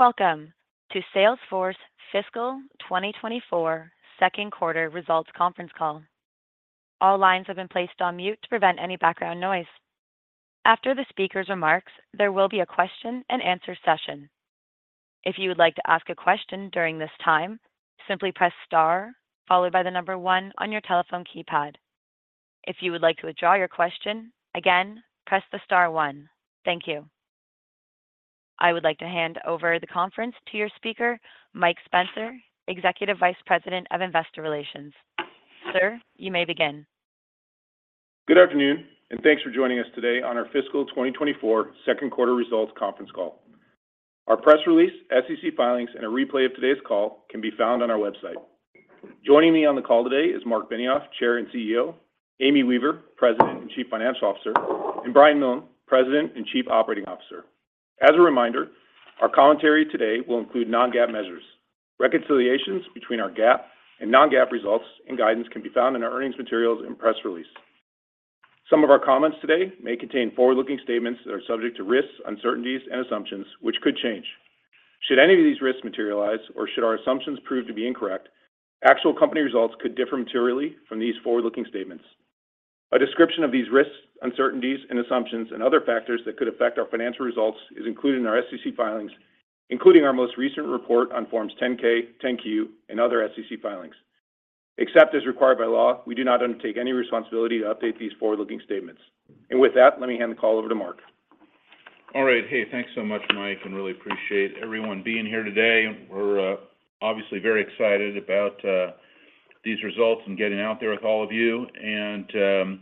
Welcome to Salesforce Fiscal 2024 second quarter results conference call. All lines have been placed on mute to prevent any background noise. After the speaker's remarks, there will be a question and answer session. If you would like to ask a question during this time, simply press star followed by the number one on your telephone keypad. If you would like to withdraw your question, again, press the star one. Thank you. I would like to hand over the conference to your speaker, Mike Spencer, Executive Vice President of Investor Relations. Sir, you may begin. Good afternoon, and thanks for joining us today on our fiscal 2024 second quarter results conference call. Our press release, SEC filings, and a replay of today's call can be found on our website. Joining me on the call today is Marc Benioff, Chair and CEO; Amy Weaver, President and Chief Financial Officer; and Brian Millham, President and Chief Operating Officer. As a reminder, our commentary today will include non-GAAP measures. Reconciliations between our GAAP and non-GAAP results and guidance can be found in our earnings materials and press release. Some of our comments today may contain forward-looking statements that are subject to risks, uncertainties and assumptions, which could change. Should any of these risks materialize or should our assumptions prove to be incorrect, actual company results could differ materially from these forward-looking statements. A description of these risks, uncertainties, and assumptions and other factors that could affect our financial results is included in our SEC filings, including our most recent report on Form 10-K, 10-Q, and other SEC filings. Except as required by law, we do not undertake any responsibility to update these forward-looking statements. With that, let me hand the call over to Marc. All right. Hey, thanks so much, Mike, and really appreciate everyone being here today. We're obviously very excited about these results and getting out there with all of you, and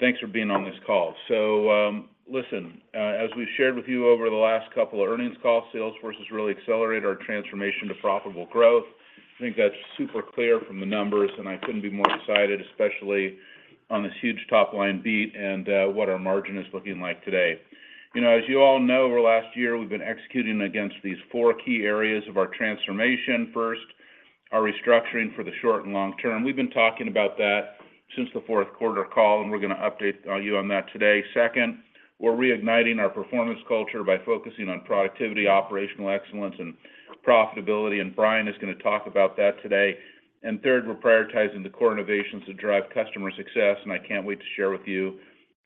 thanks for being on this call. So, listen, as we've shared with you over the last couple of earnings calls, Salesforce has really accelerated our transformation to profitable growth. I think that's super clear from the numbers, and I couldn't be more excited, especially on this huge top-line beat and what our margin is looking like today. You know, as you all know, over the last year, we've been executing against these four key areas of our transformation. First, our restructuring for the short and long term. We've been talking about that since the fourth quarter call, and we're going to update you on that today. Second, we're reigniting our performance culture by focusing on productivity, operational excellence, and profitability, and Brian is going to talk about that today. Third, we're prioritizing the core innovations to drive customer success, and I can't wait to share with you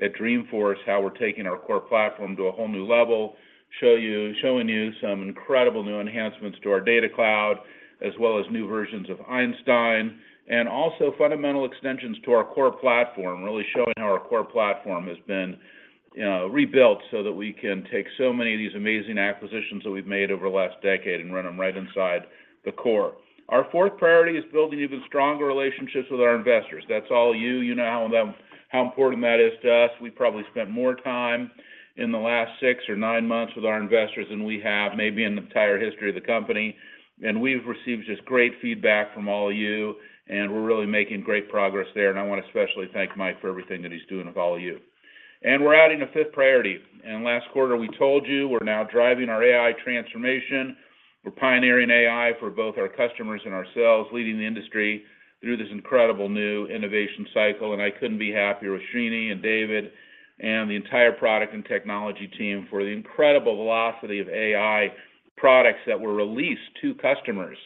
at Dreamforce how we're taking our core platform to a whole new level, showing you some incredible new enhancements to our Data Cloud, as well as new versions of Einstein, and also fundamental extensions to our core platform, really showing how our core platform has been, you know, rebuilt so that we can take so many of these amazing acquisitions that we've made over the last decade and run them right inside the core. Our fourth priority is building even stronger relationships with our investors. That's all you. You know how important that is to us. We've probably spent more time in the last six or nine months with our investors than we have maybe in the entire history of the company, and we've received just great feedback from all of you, and we're really making great progress there. I want to especially thank Mike for everything that he's doing with all of you. We're adding a fifth priority. Last quarter, we told you we're now driving our AI transformation. We're pioneering AI for both our customers and ourselves, leading the industry through this incredible new innovation cycle. I couldn't be happier with Srini and David and the entire product and technology team for the incredible velocity of AI products that were released to customers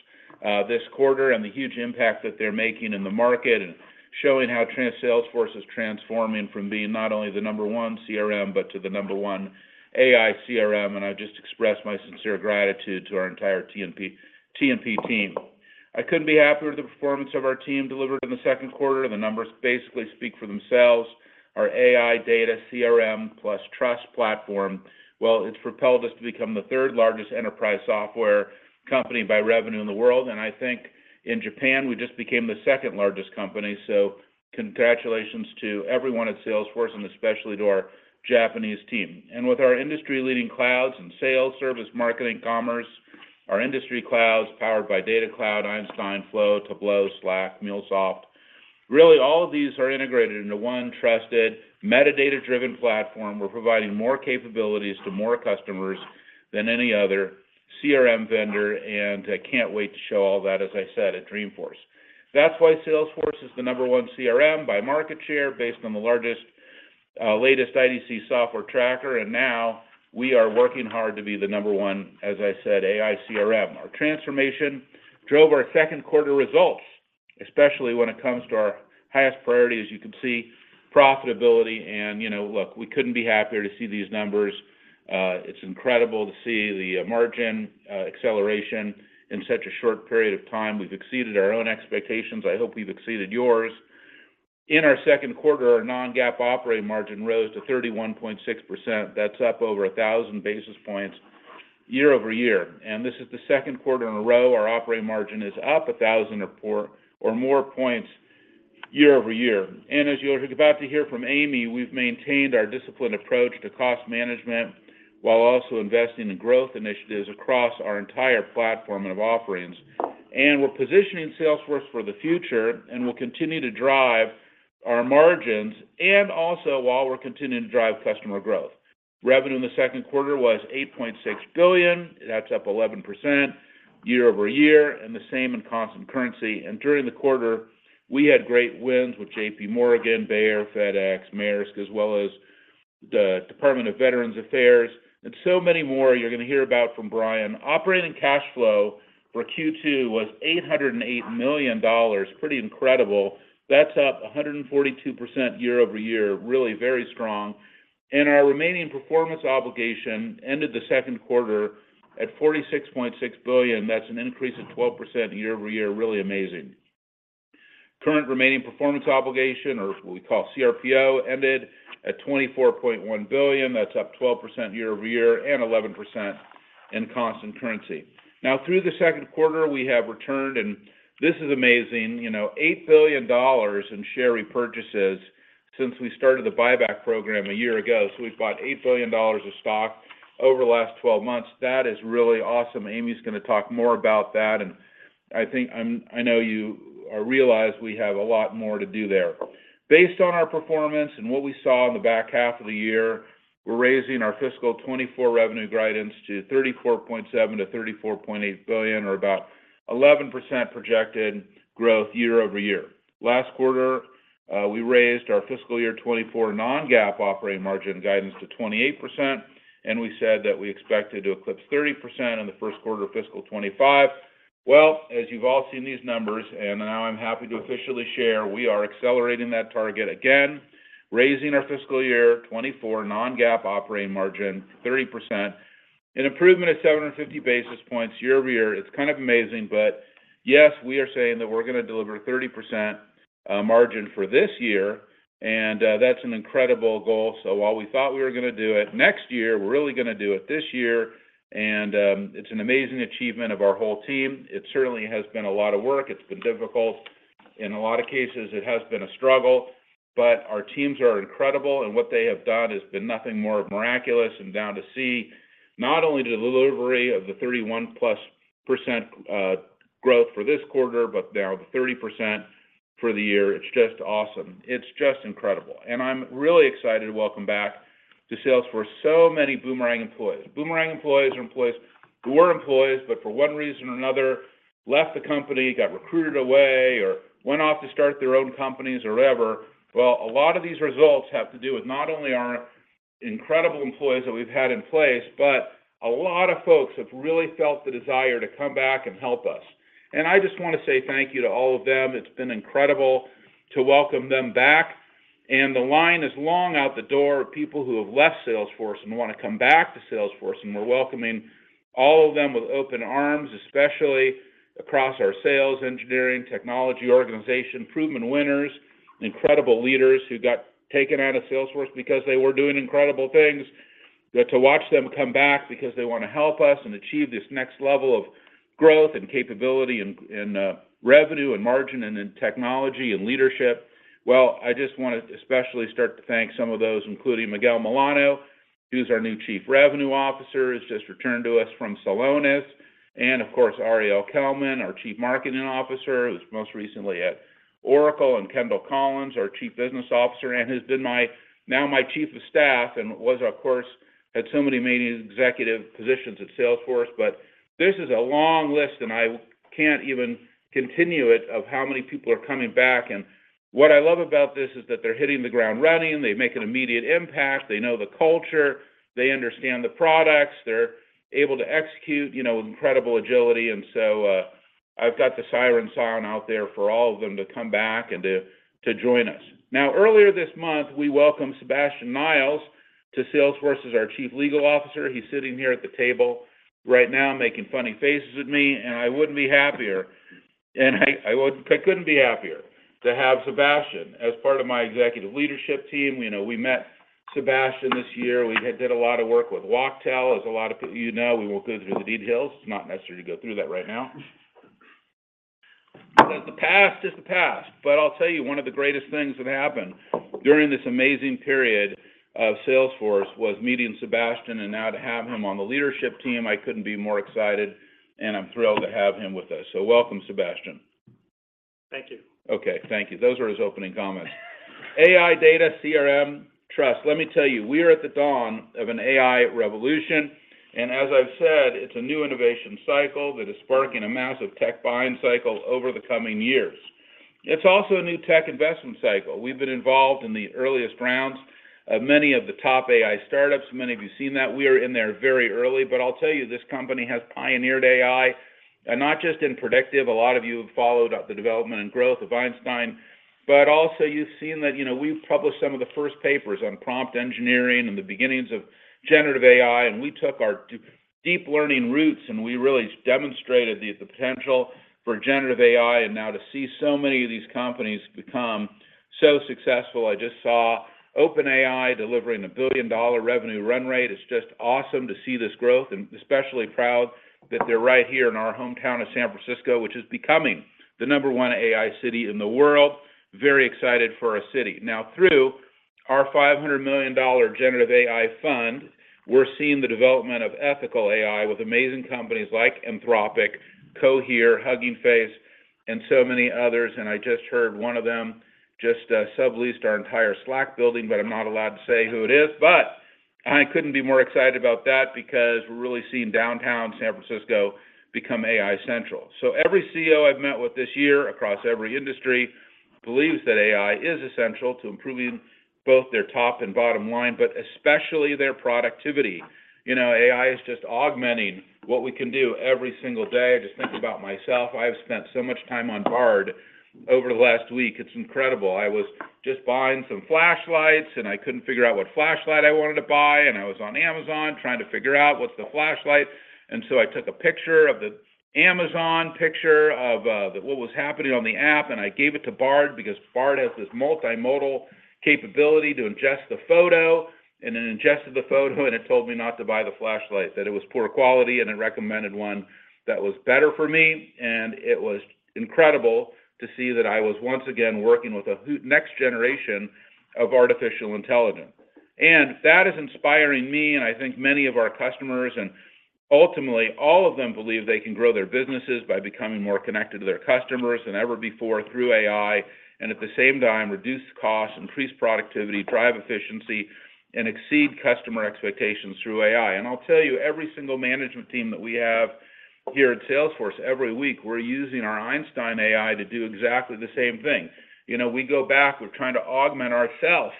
this quarter, and the huge impact that they're making in the market and showing how Salesforce is transforming from being not only the number one CRM, but to the number one AI CRM. And I just express my sincere gratitude to our entire T&P, T&P team. I couldn't be happier with the performance of our team delivered in the second quarter. The numbers basically speak for themselves. Our AI data, CRM, plus trust platform, well, it's propelled us to become the third largest enterprise software company by revenue in the world. And I think in Japan, we just became the second largest company. So congratulations to everyone at Salesforce, and especially to our Japanese team. With our industry-leading clouds and sales, service, marketing, commerce, our industry clouds powered by Data Cloud, Einstein, Flow, Tableau, Slack, MuleSoft, really, all of these are integrated into one trusted, metadata-driven platform. We're providing more capabilities to more customers than any other CRM vendor, and I can't wait to show all that, as I said, at Dreamforce. That's why Salesforce is the number one CRM by market share, based on the largest, latest IDC Software Tracker. Now we are working hard to be the number one, as I said, AI CRM. Our transformation drove our second quarter results, especially when it comes to our highest priority, as you can see, profitability. You know, look, we couldn't be happier to see these numbers. It's incredible to see the margin acceleration in such a short period of time. We've exceeded our own expectations. I hope we've exceeded yours. In our second quarter, our non-GAAP operating margin rose to 31.6%. That's up over 1,000 basis points year-over-year. And this is the second quarter in a row our operating margin is up 1,000 or more points year-over-year. And as you're about to hear from Amy, we've maintained our disciplined approach to cost management while also investing in growth initiatives across our entire platform of offerings. And we're positioning Salesforce for the future, and we'll continue to drive our margins and also while we're continuing to drive customer growth. Revenue in the second quarter was $8.6 billion. That's up 11% year-over-year, and the same in constant currency. And during the quarter, we had great wins with JP Morgan, Bayer, FedEx, Maersk, as well as-... the Department of Veterans Affairs, and so many more you're gonna hear about from Brian. Operating cash flow for Q2 was $808 million. Pretty incredible. That's up 142% year-over-year, really very strong. Our remaining performance obligation ended the second quarter at $46.6 billion. That's an increase of 12% year-over-year, really amazing. Current remaining performance obligation, or what we call CRPO, ended at $24.1 billion. That's up 12% year-over-year, and 11% in constant currency. Now, through the second quarter, we have returned, and this is amazing, you know, $8 billion in share repurchases since we started the buyback program a year ago. We've bought $8 billion of stock over the last twelve months. That is really awesome, Amy's gonna talk more about that, and I think, I know you realize we have a lot more to do there. Based on our performance and what we saw in the back half of the year, we're raising our fiscal 2024 revenue guidance to $34.7 billion-$34.8 billion, or about 11% projected growth year-over-year. Last quarter, we raised our fiscal year 2024 non-GAAP operating margin guidance to 28%, and we said that we expected to eclipse 30% in the first quarter of fiscal 2025. Well, as you've all seen these numbers, and now I'm happy to officially share, we are accelerating that target again, raising our fiscal year 2024 non-GAAP operating margin, 30%. An improvement of 750 basis points year-over-year. It's kind of amazing, but yes, we are saying that we're gonna deliver 30% margin for this year, and that's an incredible goal. So while we thought we were gonna do it next year, we're really gonna do it this year, and it's an amazing achievement of our whole team. It certainly has been a lot of work. It's been difficult. In a lot of cases, it has been a struggle, but our teams are incredible, and what they have done has been nothing more miraculous and down to see, not only the delivery of the 31%+ growth for this quarter, but now the 30% for the year. It's just awesome. It's just incredible. And I'm really excited to welcome back to Salesforce so many boomerang employees. Boomerang employees are employees who were employees, but for one reason or another, left the company, got recruited away, or went off to start their own companies or whatever. Well, a lot of these results have to do with not only our incredible employees that we've had in place, but a lot of folks have really felt the desire to come back and help us. I just wanna say thank you to all of them. It's been incredible to welcome them back, and the line is long out the door of people who have left Salesforce and wanna come back to Salesforce, and we're welcoming all of them with open arms, especially across our sales, engineering, technology, organization, improvement winners, incredible leaders who got taken out of Salesforce because they were doing incredible things. Get to watch them come back because they wanna help us and achieve this next level of growth and capability and, and, revenue and margin, and in technology and leadership. Well, I just wanna especially start to thank some of those, including Miguel Milano, who's our new Chief Revenue Officer, has just returned to us from Celonis, and of course, Ariel Kelman, our Chief Marketing Officer, who's most recently at Oracle, and Kendall Collins, our Chief Business Officer, and who's been my-- now my chief of staff, and was, of course, had so many many executive positions at Salesforce. But this is a long list, and I can't even continue it, of how many people are coming back, and what I love about this is that they're hitting the ground running, they make an immediate impact, they know the culture, they understand the products, they're able to execute, you know, incredible agility. And so, I've got the siren song out there for all of them to come back and to join us. Now, earlier this month, we welcomed Sebastian Niles to Salesforce as our Chief Legal Officer. He's sitting here at the table right now, making funny faces at me, and I wouldn't be happier. And I, I wouldn't—I couldn't be happier to have Sebastian as part of my executive leadership team. You know, we met Sebastian this year. We had did a lot of work with Wachtell, as a lot of you know, we won't go through the details. It's not necessary to go through that right now. The past is the past, but I'll tell you, one of the greatest things that happened during this amazing period of Salesforce was meeting Sebastian, and now to have him on the leadership team, I couldn't be more excited, and I'm thrilled to have him with us. So welcome, Sebastian. Thank you. Okay, thank you. Those are his opening comments. AI, data, CRM, trust. Let me tell you, we are at the dawn of an AI revolution, and as I've said, it's a new innovation cycle that is sparking a massive tech buying cycle over the coming years. It's also a new tech investment cycle. We've been involved in the earliest rounds of many of the top AI startups. Many of you seen that. We were in there very early, but I'll tell you, this company has pioneered AI, and not just in predictive. A lot of you have followed up the development and growth of Einstein, but also you've seen that, you know, we've published some of the first papers on prompt engineering and the beginnings of generative AI, and we took our deep learning roots, and we really demonstrated the potential for generative AI. And now to see so many of these companies become so successful, I just saw OpenAI delivering a billion-dollar revenue run rate. It's just awesome to see this growth, and especially proud that they're right here in our hometown of San Francisco, which is becoming the number one AI city in the world. Very excited for our city. Now, through our $500 million generative AI fund, we're seeing the development of ethical AI with amazing companies like Anthropic, Cohere, Hugging Face, and so many others. And I just heard one of them just subleased our entire Slack building, but I'm not allowed to say who it is, but I couldn't be more excited about that because we're really seeing downtown San Francisco become AI central. So every CEO I've met with this year, across every industry, believes that AI is essential to improving both their top and bottom line, but especially their productivity. You know, AI is just augmenting what we can do every single day. I just think about myself. I've spent so much time on Bard over the last week. It's incredible. I was just buying some flashlights, and I couldn't figure out what flashlight I wanted to buy, and I was on Amazon trying to figure out what's the flashlight. And so I took a picture of the Amazon picture of what was happening on the app, and I gave it to Bard because Bard has this multimodal capability to ingest the photo. And it ingested the photo, and it told me not to buy the flashlight, that it was poor quality, and it recommended one that was better for me. It was incredible to see that I was once again working with the next generation of artificial intelligence. That is inspiring me, and I think many of our customers, and ultimately, all of them believe they can grow their businesses by becoming more connected to their customers than ever before through AI, and at the same time, reduce costs, increase productivity, drive efficiency, and exceed customer expectations through AI. I'll tell you, every single management team that we have here at Salesforce, every week, we're using our Einstein AI to do exactly the same thing. You know, we go back, we're trying to augment ourselves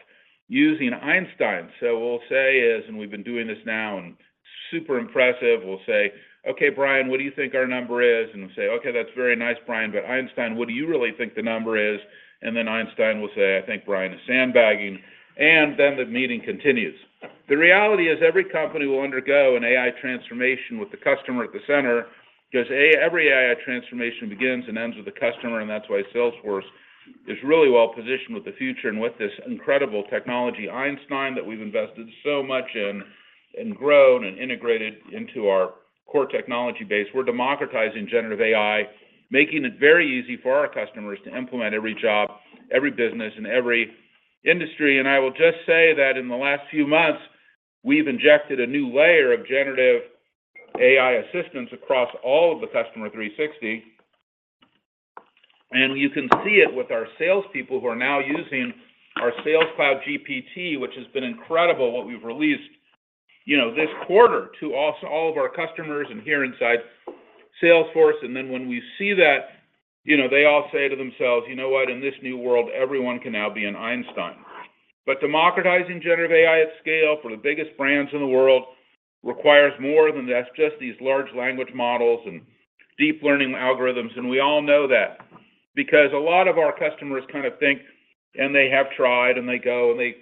using Einstein. So we'll say is, and we've been doing this now, and super impressive, we'll say, "Okay, Brian, what do you think our number is?" And we'll say, "Okay, that's very nice, Brian, but Einstein, what do you really think the number is?" And then Einstein will say, "I think Brian is sandbagging." And then the meeting continues. The reality is every company will undergo an AI transformation with the customer at the center because A, every AI transformation begins and ends with the customer, and that's why Salesforce is really well-positioned with the future and with this incredible technology, Einstein, that we've invested so much in, and grown and integrated into our core technology base. We're democratizing Generative AI, making it very easy for our customers to implement every job, every business, and every industry. I will just say that in the last few months, we've injected a new layer of generative AI assistance across all of the Customer 360. And you can see it with our salespeople who are now using our Sales Cloud GPT, which has been incredible, what we've released, you know, this quarter to also all of our customers and here inside Salesforce. And then when we see that, you know, they all say to themselves, "You know what? In this new world, everyone can now be an Einstein." But democratizing generative AI at scale for the biggest brands in the world requires more than just these large language models and deep learning algorithms. And we all know that because a lot of our customers kinda think, and they have tried, and they go, and they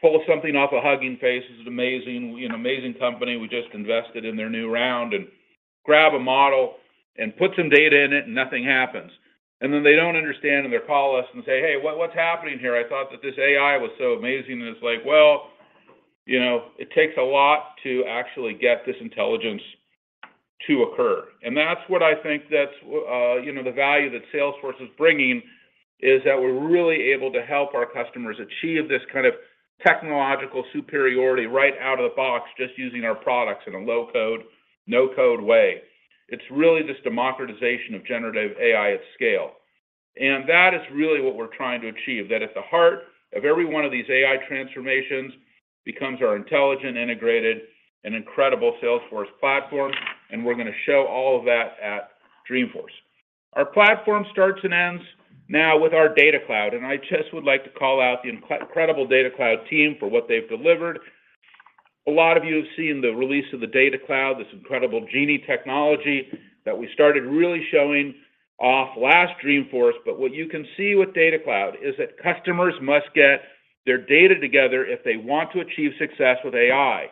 pull something off a Hugging Face. This is amazing, you know, amazing company. We just invested in their new round and grab a model and put some data in it, and nothing happens. And then they don't understand, and they call us and say, "Hey, what, what's happening here? I thought that this AI was so amazing." And it's like, well, you know, it takes a lot to actually get this intelligence to occur. And that's what I think that's, you know, the value that Salesforce is bringing is that we're really able to help our customers achieve this kind of technological superiority right out of the box, just using our products in a low-code, no-code way. It's really this democratization of generative AI at scale. And that is really what we're trying to achieve, that at the heart of every one of these AI transformations becomes our intelligent, integrated, and incredible Salesforce platform, and we're gonna show all of that at Dreamforce. Our platform starts and ends now with our Data Cloud, and I just would like to call out the incredible Data Cloud team for what they've delivered. A lot of you have seen the release of the Data Cloud, this incredible GenAI technology that we started really showing off last Dreamforce. But what you can see with Data Cloud is that customers must get their data together if they want to achieve success with AI.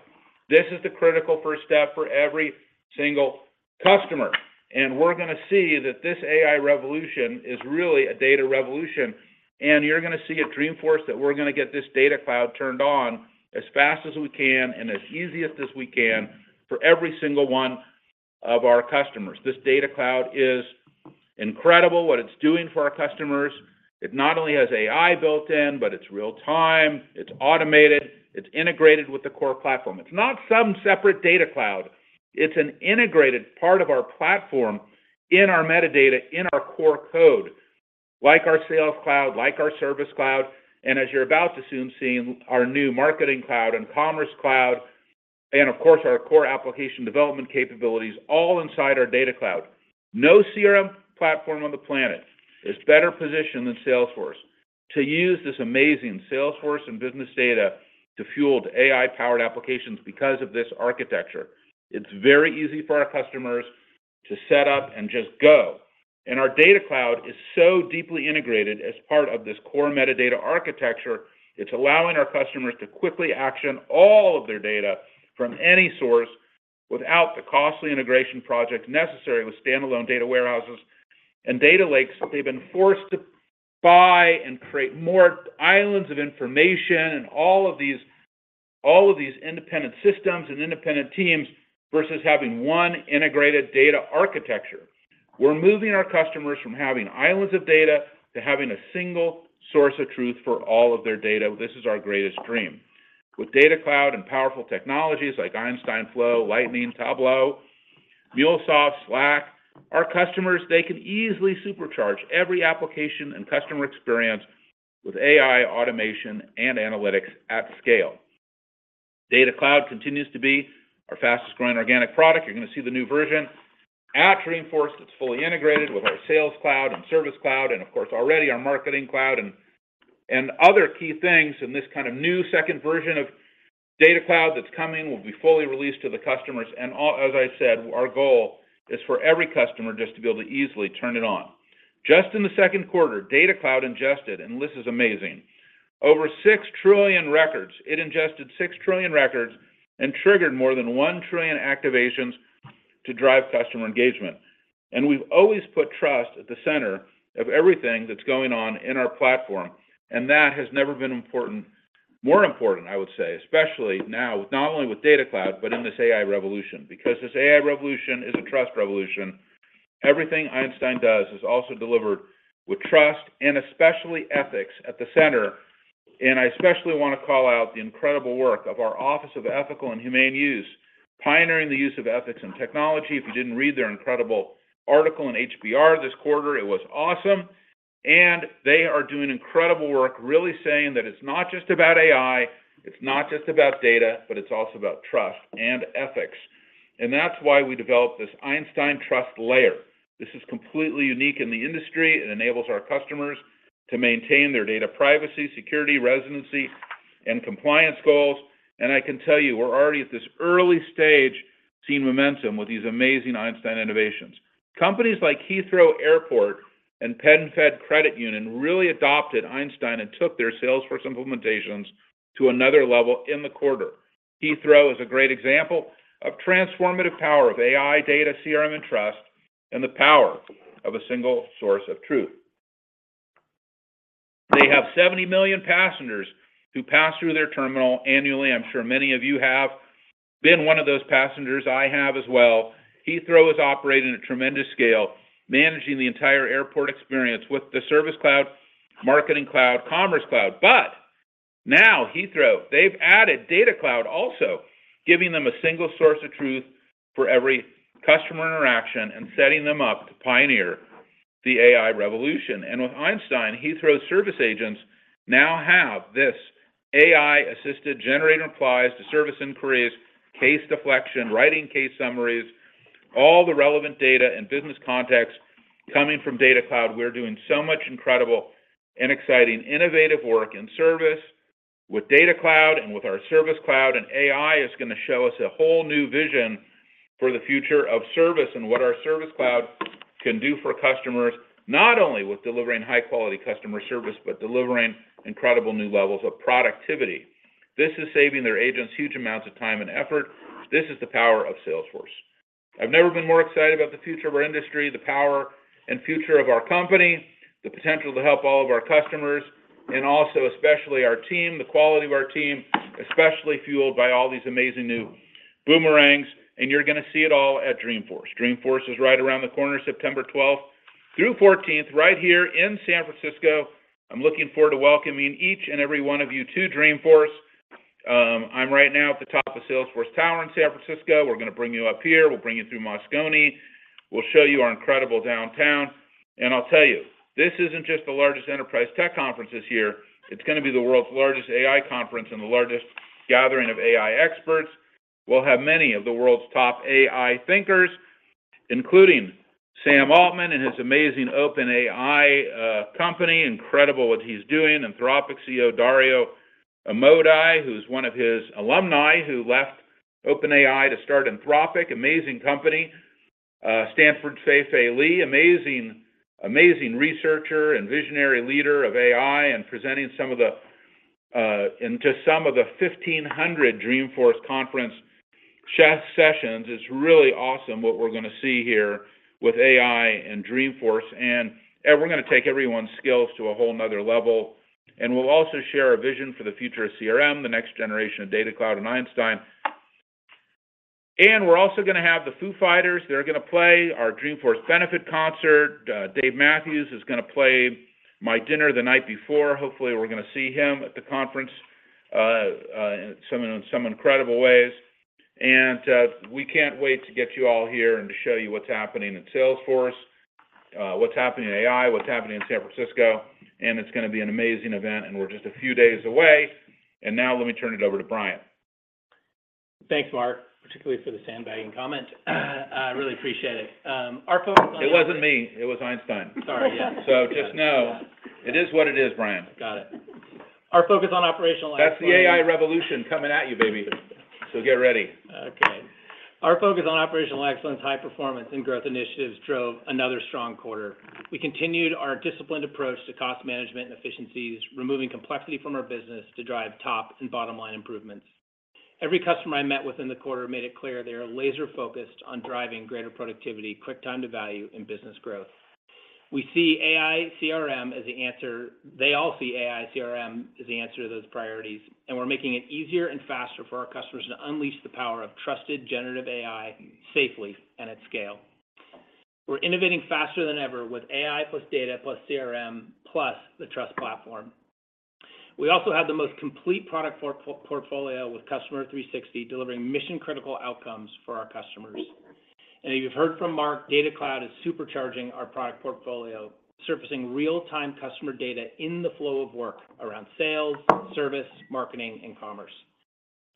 This is the critical first step for every single customer, and we're gonna see that this AI revolution is really a data revolution, and you're gonna see at Dreamforce that we're gonna get this Data Cloud turned on as fast as we can and as easy as we can for every single one of our customers. This Data Cloud is incredible, what it's doing for our customers. It not only has AI built in, but it's real-time, it's automated, it's integrated with the core Platform. It's not some separate Data Cloud. It's an integrated part of our Platform in our metadata, in our core code, like our Sales Cloud, like our Service Cloud, and as you're about to soon see, our new Marketing Cloud and Commerce Cloud, and of course, our core application development capabilities all inside our Data Cloud. No CRM platform on the planet is better positioned than Salesforce to use this amazing Salesforce and business data to fuel the AI-powered applications because of this architecture. It's very easy for our customers to set up and just go. And our Data Cloud is so deeply integrated as part of this core metadata architecture. It's allowing our customers to quickly action all of their data from any source without the costly integration project necessary with standalone data warehouses and data lakes. They've been forced to buy and create more islands of information and all of these, all of these independent systems and independent teams versus having one integrated data architecture. We're moving our customers from having islands of data to having a single source of truth for all of their data. This is our greatest dream. With Data Cloud and powerful technologies like Einstein Flow, Lightning, Tableau-... MuleSoft, Slack, our customers, they can easily supercharge every application and customer experience with AI, automation, and analytics at scale. Data Cloud continues to be our fastest growing organic product. You're gonna see the new version at Dreamforce. It's fully integrated with our Sales Cloud and Service Cloud, and of course, already our Marketing Cloud and other key things in this kind of new second version of Data Cloud that's coming, will be fully released to the customers. And all, as I said, our goal is for every customer just to be able to easily turn it on. Just in the second quarter, Data Cloud ingested, and this is amazing, over 6 trillion records. It ingested 6 trillion records and triggered more than 1 trillion activations to drive customer engagement. We've always put trust at the center of everything that's going on in our platform, and that has never been important. More important, I would say, especially now, not only with Data Cloud, but in this AI revolution, because this AI revolution is a trust revolution. Everything Einstein does is also delivered with trust and especially ethics at the center. I especially wanna call out the incredible work of our Office of Ethical and Humane Use, pioneering the use of ethics and technology. If you didn't read their incredible article in HBR this quarter, it was awesome. They are doing incredible work, really saying that it's not just about AI, it's not just about data, but it's also about trust and ethics. That's why we developed this Einstein Trust Layer. This is completely unique in the industry. It enables our customers to maintain their data privacy, security, residency, and compliance goals. I can tell you, we're already at this early stage, seeing momentum with these amazing Einstein innovations. Companies like Heathrow Airport and PenFed Credit Union really adopted Einstein and took their Salesforce implementations to another level in the quarter. Heathrow is a great example of transformative power of AI, data, CRM, and trust, and the power of a single source of truth. They have 70 million passengers who pass through their terminal annually. I'm sure many of you have been one of those passengers. I have as well. Heathrow is operating at a tremendous scale, managing the entire airport experience with the Service Cloud, Marketing Cloud, Commerce Cloud. But now, Heathrow, they've added Data Cloud, also, giving them a single source of truth for every customer interaction and setting them up to pioneer the AI revolution. And with Einstein, Heathrow service agents now have this AI-assisted generator replies to service inquiries, case deflection, writing case summaries, all the relevant data and business context coming from Data Cloud. We're doing so much incredible and exciting, innovative work in service with Data Cloud and with our Service Cloud, and AI is gonna show us a whole new vision for the future of service and what our Service Cloud can do for customers, not only with delivering high-quality customer service, but delivering incredible new levels of productivity. This is saving their agents huge amounts of time and effort. This is the power of Salesforce. I've never been more excited about the future of our industry, the power and future of our company, the potential to help all of our customers, and also, especially our team, the quality of our team, especially fueled by all these amazing new boomerangs, and you're gonna see it all at Dreamforce. Dreamforce is right around the corner, September twelfth through fourteenth, right here in San Francisco. I'm looking forward to welcoming each and every one of you to Dreamforce. I'm right now at the top of Salesforce Tower in San Francisco. We're gonna bring you up here. We'll bring you through Moscone. We'll show you our incredible downtown. And I'll tell you, this isn't just the largest enterprise tech conference this year, it's gonna be the world's largest AI conference and the largest gathering of AI experts. We'll have many of the world's top AI thinkers, including Sam Altman and his amazing OpenAI company. Incredible what he's doing. Anthropic CEO Dario Amodei, who's one of his alumni who left OpenAI to start Anthropic, amazing company. Stanford Fei-Fei Li, amazing, amazing researcher and visionary leader of AI, and presenting some of the 1,500 Dreamforce conference tech sessions. It's really awesome what we're gonna see here with AI and Dreamforce, and we're gonna take everyone's skills to a whole another level. We'll also share our vision for the future of CRM, the next generation of Data Cloud and Einstein. We're also gonna have the Foo Fighters. They're gonna play our Dreamforce benefit concert. Dave Matthews is gonna play my dinner the night before. Hopefully, we're gonna see him at the conference, in some incredible ways. We can't wait to get you all here and to show you what's happening in Salesforce, what's happening in AI, what's happening in San Francisco, and it's gonna be an amazing event, and we're just a few days away. And now let me turn it over to Brian. Thanks, Marc, particularly for the sandbagging comment. I really appreciate it. Our focus on- It wasn't me, it was Einstein. Sorry, yeah. Just know, it is what it is, Brian. Got it. Our focus on operational- That's the AI revolution coming at you, baby, so get ready. Okay. Our focus on operational excellence, high performance, and growth initiatives drove another strong quarter. We continued our disciplined approach to cost management and efficiencies, removing complexity from our business to drive top and bottom line improvements. Every customer I met with in the quarter made it clear they are laser-focused on driving greater productivity, quick time to value, and business growth. We see AI, CRM as the answer. They all see AI, CRM as the answer to those priorities, and we're making it easier and faster for our customers to unleash the power of trusted Generative AI safely and at scale. We're innovating faster than ever with AI plus data, plus CRM, plus the trust platform. We also have the most complete product portfolio, with Customer 360 delivering mission-critical outcomes for our customers. You've heard from Mark, Data Cloud is supercharging our product portfolio, surfacing real-time customer data in the flow of work around sales, service, marketing, and commerce.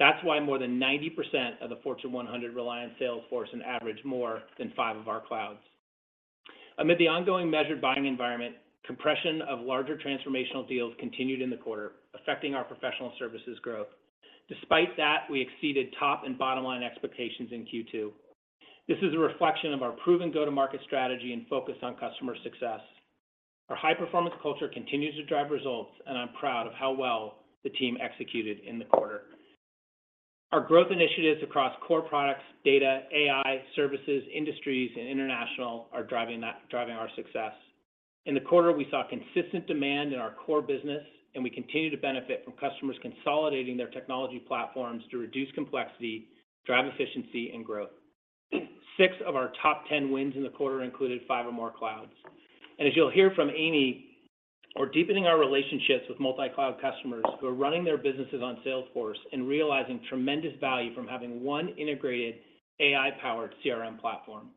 That's why more than 90% of the Fortune 100 rely on Salesforce on average more than five of our clouds. Amid the ongoing measured buying environment, compression of larger transformational deals continued in the quarter, affecting our professional services growth. Despite that, we exceeded top and bottom line expectations in Q2. This is a reflection of our proven go-to-market strategy and focus on customer success. Our high-performance culture continues to drive results, and I'm proud of how well the team executed in the quarter. Our growth initiatives across core products, data, AI, services, industries, and international are driving that, driving our success. In the quarter, we saw consistent demand in our core business, and we continue to benefit from customers consolidating their technology platforms to reduce complexity, drive efficiency, and growth. Six of our top 10 wins in the quarter included 5 or more clouds. As you'll hear from Amy, we're deepening our relationships with multi-cloud customers who are running their businesses on Salesforce and realizing tremendous value from having one integrated AI-powered CRM platform.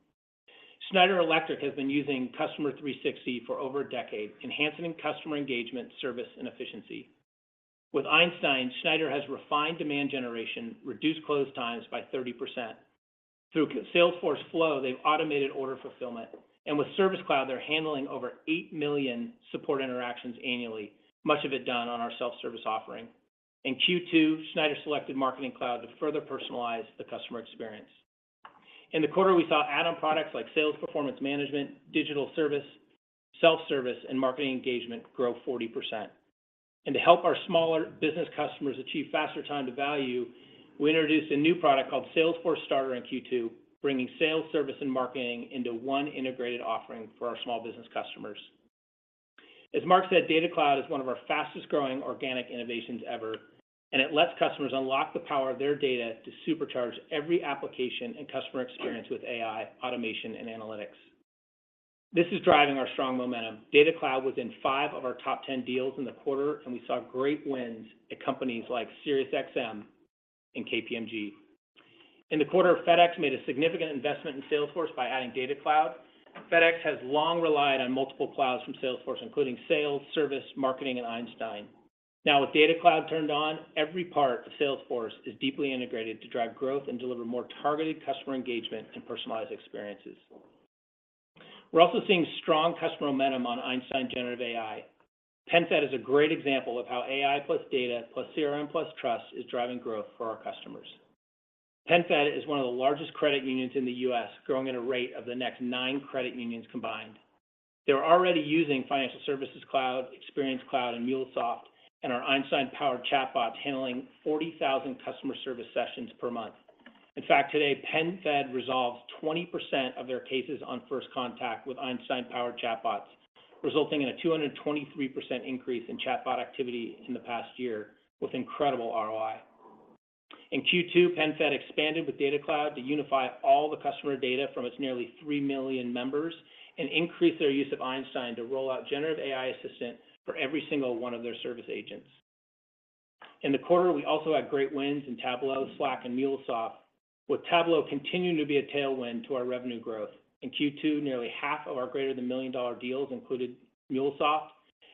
Schneider Electric has been using Customer 360 for over a decade, enhancing customer engagement, service, and efficiency. With Einstein, Schneider has refined demand generation, reduced close times by 30%. Through Salesforce Flow, they've automated order fulfillment, and with Service Cloud, they're handling over 8 million support interactions annually, much of it done on our self-service offering. In Q2, Schneider selected Marketing Cloud to further personalize the customer experience. In the quarter, we saw add-on products like sales performance management, digital service, self-service, and marketing engagement grow 40%. To help our smaller business customers achieve faster time to value, we introduced a new product called Salesforce Starter in Q2, bringing sales, service, and marketing into one integrated offering for our small business customers. As Mark said, Data Cloud is one of our fastest-growing organic innovations ever, and it lets customers unlock the power of their data to supercharge every application and customer experience with AI, automation, and analytics. This is driving our strong momentum. Data Cloud was in five of our top 10 deals in the quarter, and we saw great wins at companies like SiriusXM and KPMG. In the quarter, FedEx made a significant investment in Salesforce by adding Data Cloud. FedEx has long relied on multiple clouds from Salesforce, including Sales Cloud, Service Cloud, Marketing Cloud, and Einstein. Now, with Data Cloud turned on, every part of Salesforce is deeply integrated to drive growth and deliver more targeted customer engagement and personalized experiences. We're also seeing strong customer momentum on Einstein Generative AI. PenFed is a great example of how AI plus data, plus CRM, plus trust is driving growth for our customers. PenFed is one of the largest credit unions in the U.S., growing at a rate of the next nine credit unions combined. They're already using Financial Services Cloud, Experience Cloud, and MuleSoft, and our Einstein-powered chatbot, handling 40,000 customer service sessions per month. In fact, today, PenFed resolves 20% of their cases on first contact with Einstein-powered chatbots, resulting in a 223% increase in chatbot activity in the past year with incredible ROI. In Q2, PenFed expanded with Data Cloud to unify all the customer data from its nearly 3 million members and increase their use of Einstein to roll out generative AI assistant for every single one of their service agents. In the quarter, we also had great wins in Tableau, Slack, and MuleSoft, with Tableau continuing to be a tailwind to our revenue growth. In Q2, nearly half of our greater than $1 million-dollar deals included MuleSoft,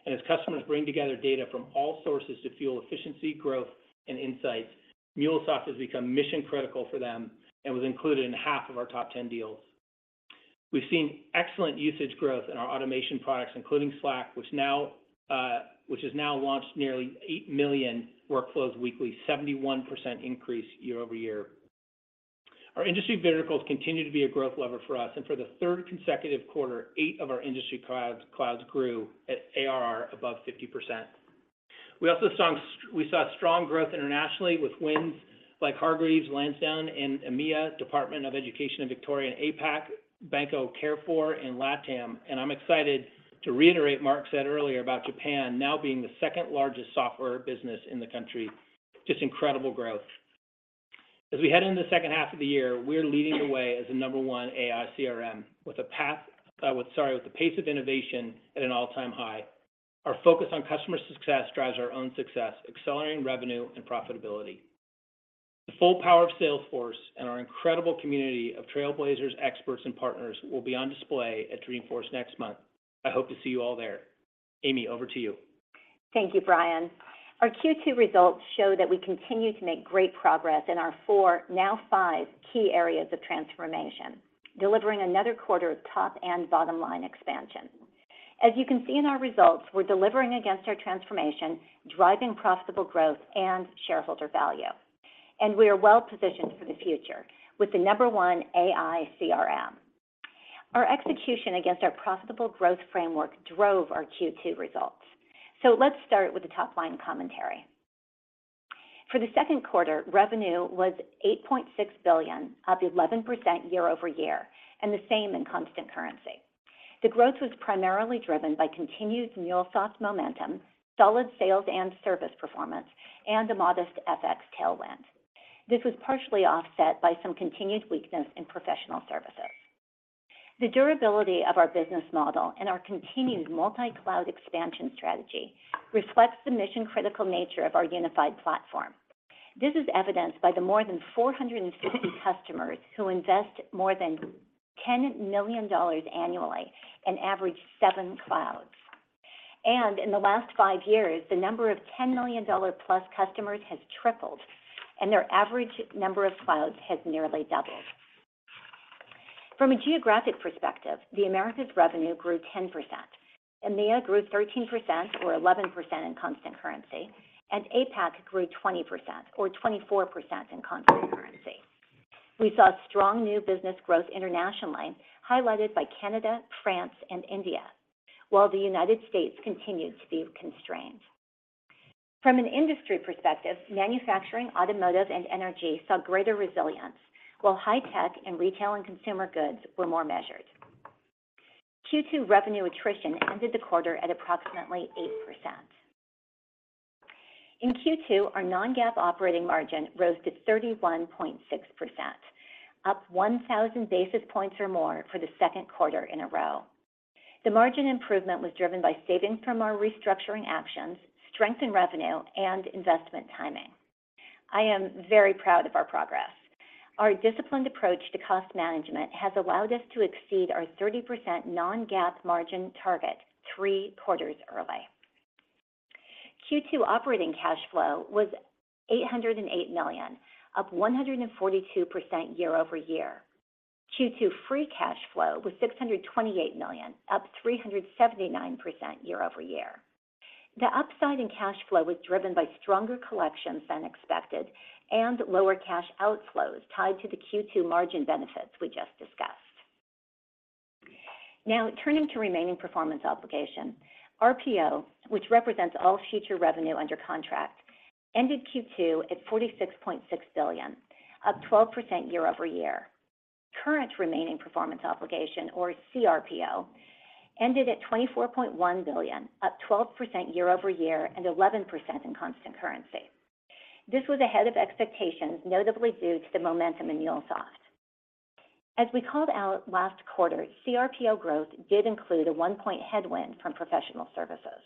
and as customers bring together data from all sources to fuel efficiency, growth, and insights, MuleSoft has become mission-critical for them and was included in half of our top 10 deals. We've seen excellent usage growth in our automation products, including Slack, which now, which has now launched nearly 8 million workflows weekly, 71% increase year-over-year. Our industry verticals continue to be a growth lever for us, and for the third consecutive quarter, eight of our industry clouds grew at ARR above 50%. We also saw strong growth internationally with wins like Hargreaves Lansdown in EMEA, Department of Education Victoria in APAC, Banco Carrefour, and LATAM. I'm excited to reiterate what Mark said earlier about Japan now being the second largest software business in the country. Just incredible growth. As we head into the second half of the year, we're leading the way as the number one AI CRM with the pace of innovation at an all-time high. Our focus on customer success drives our own success, accelerating revenue and profitability. The full power of Salesforce and our incredible community of trailblazers, experts, and partners will be on display at Dreamforce next month. I hope to see you all there. Amy, over to you. Thank you, Brian. Our Q2 results show that we continue to make great progress in our four, now five, key areas of transformation, delivering another quarter of top and bottom line expansion. As you can see in our results, we're delivering against our transformation, driving profitable growth and shareholder value, and we are well positioned for the future with the number one AI CRM. Our execution against our profitable growth framework drove our Q2 results. So let's start with the top-line commentary. For the second quarter, revenue was $8.6 billion, up 11% year-over-year, and the same in constant currency. The growth was primarily driven by continued MuleSoft momentum, solid sales and service performance, and a modest FX tailwind. This was partially offset by some continued weakness in professional services. The durability of our business model and our continued multi-cloud expansion strategy reflects the mission-critical nature of our unified platform. This is evidenced by the more than 460 customers who invest more than $10 million annually and average 7 clouds. In the last 5 years, the number of $10 million-plus customers has tripled, and their average number of clouds has nearly doubled. From a geographic perspective, the Americas revenue grew 10%, EMEA grew 13% or 11% in constant currency, and APAC grew 20% or 24% in constant currency. We saw strong new business growth internationally, highlighted by Canada, France, and India, while the United States continued to be constrained. From an industry perspective, manufacturing, automotive, and energy saw greater resilience, while high tech and retail and consumer goods were more measured. Q2 revenue attrition ended the quarter at approximately 8%. In Q2, our non-GAAP operating margin rose to 31.6%, up 1,000 basis points or more for the second quarter in a row. The margin improvement was driven by savings from our restructuring actions, strength in revenue, and investment timing. I am very proud of our progress. Our disciplined approach to cost management has allowed us to exceed our 30% non-GAAP margin target three quarters early. Q2 operating cash flow was $808 million, up 142% year-over-year. Q2 free cash flow was $628 million, up 379% year-over-year. The upside in cash flow was driven by stronger collections than expected and lower cash outflows tied to the Q2 margin benefits we just discussed. Now, turning to remaining performance obligation. RPO, which represents all future revenue under contract, ended Q2 at $46.6 billion, up 12% year-over-year. Current remaining performance obligation, or CRPO, ended at $24.1 billion, up 12% year-over-year and 11% in constant currency. This was ahead of expectations, notably due to the momentum in MuleSoft. As we called out last quarter, CRPO growth did include a 1-point headwind from professional services.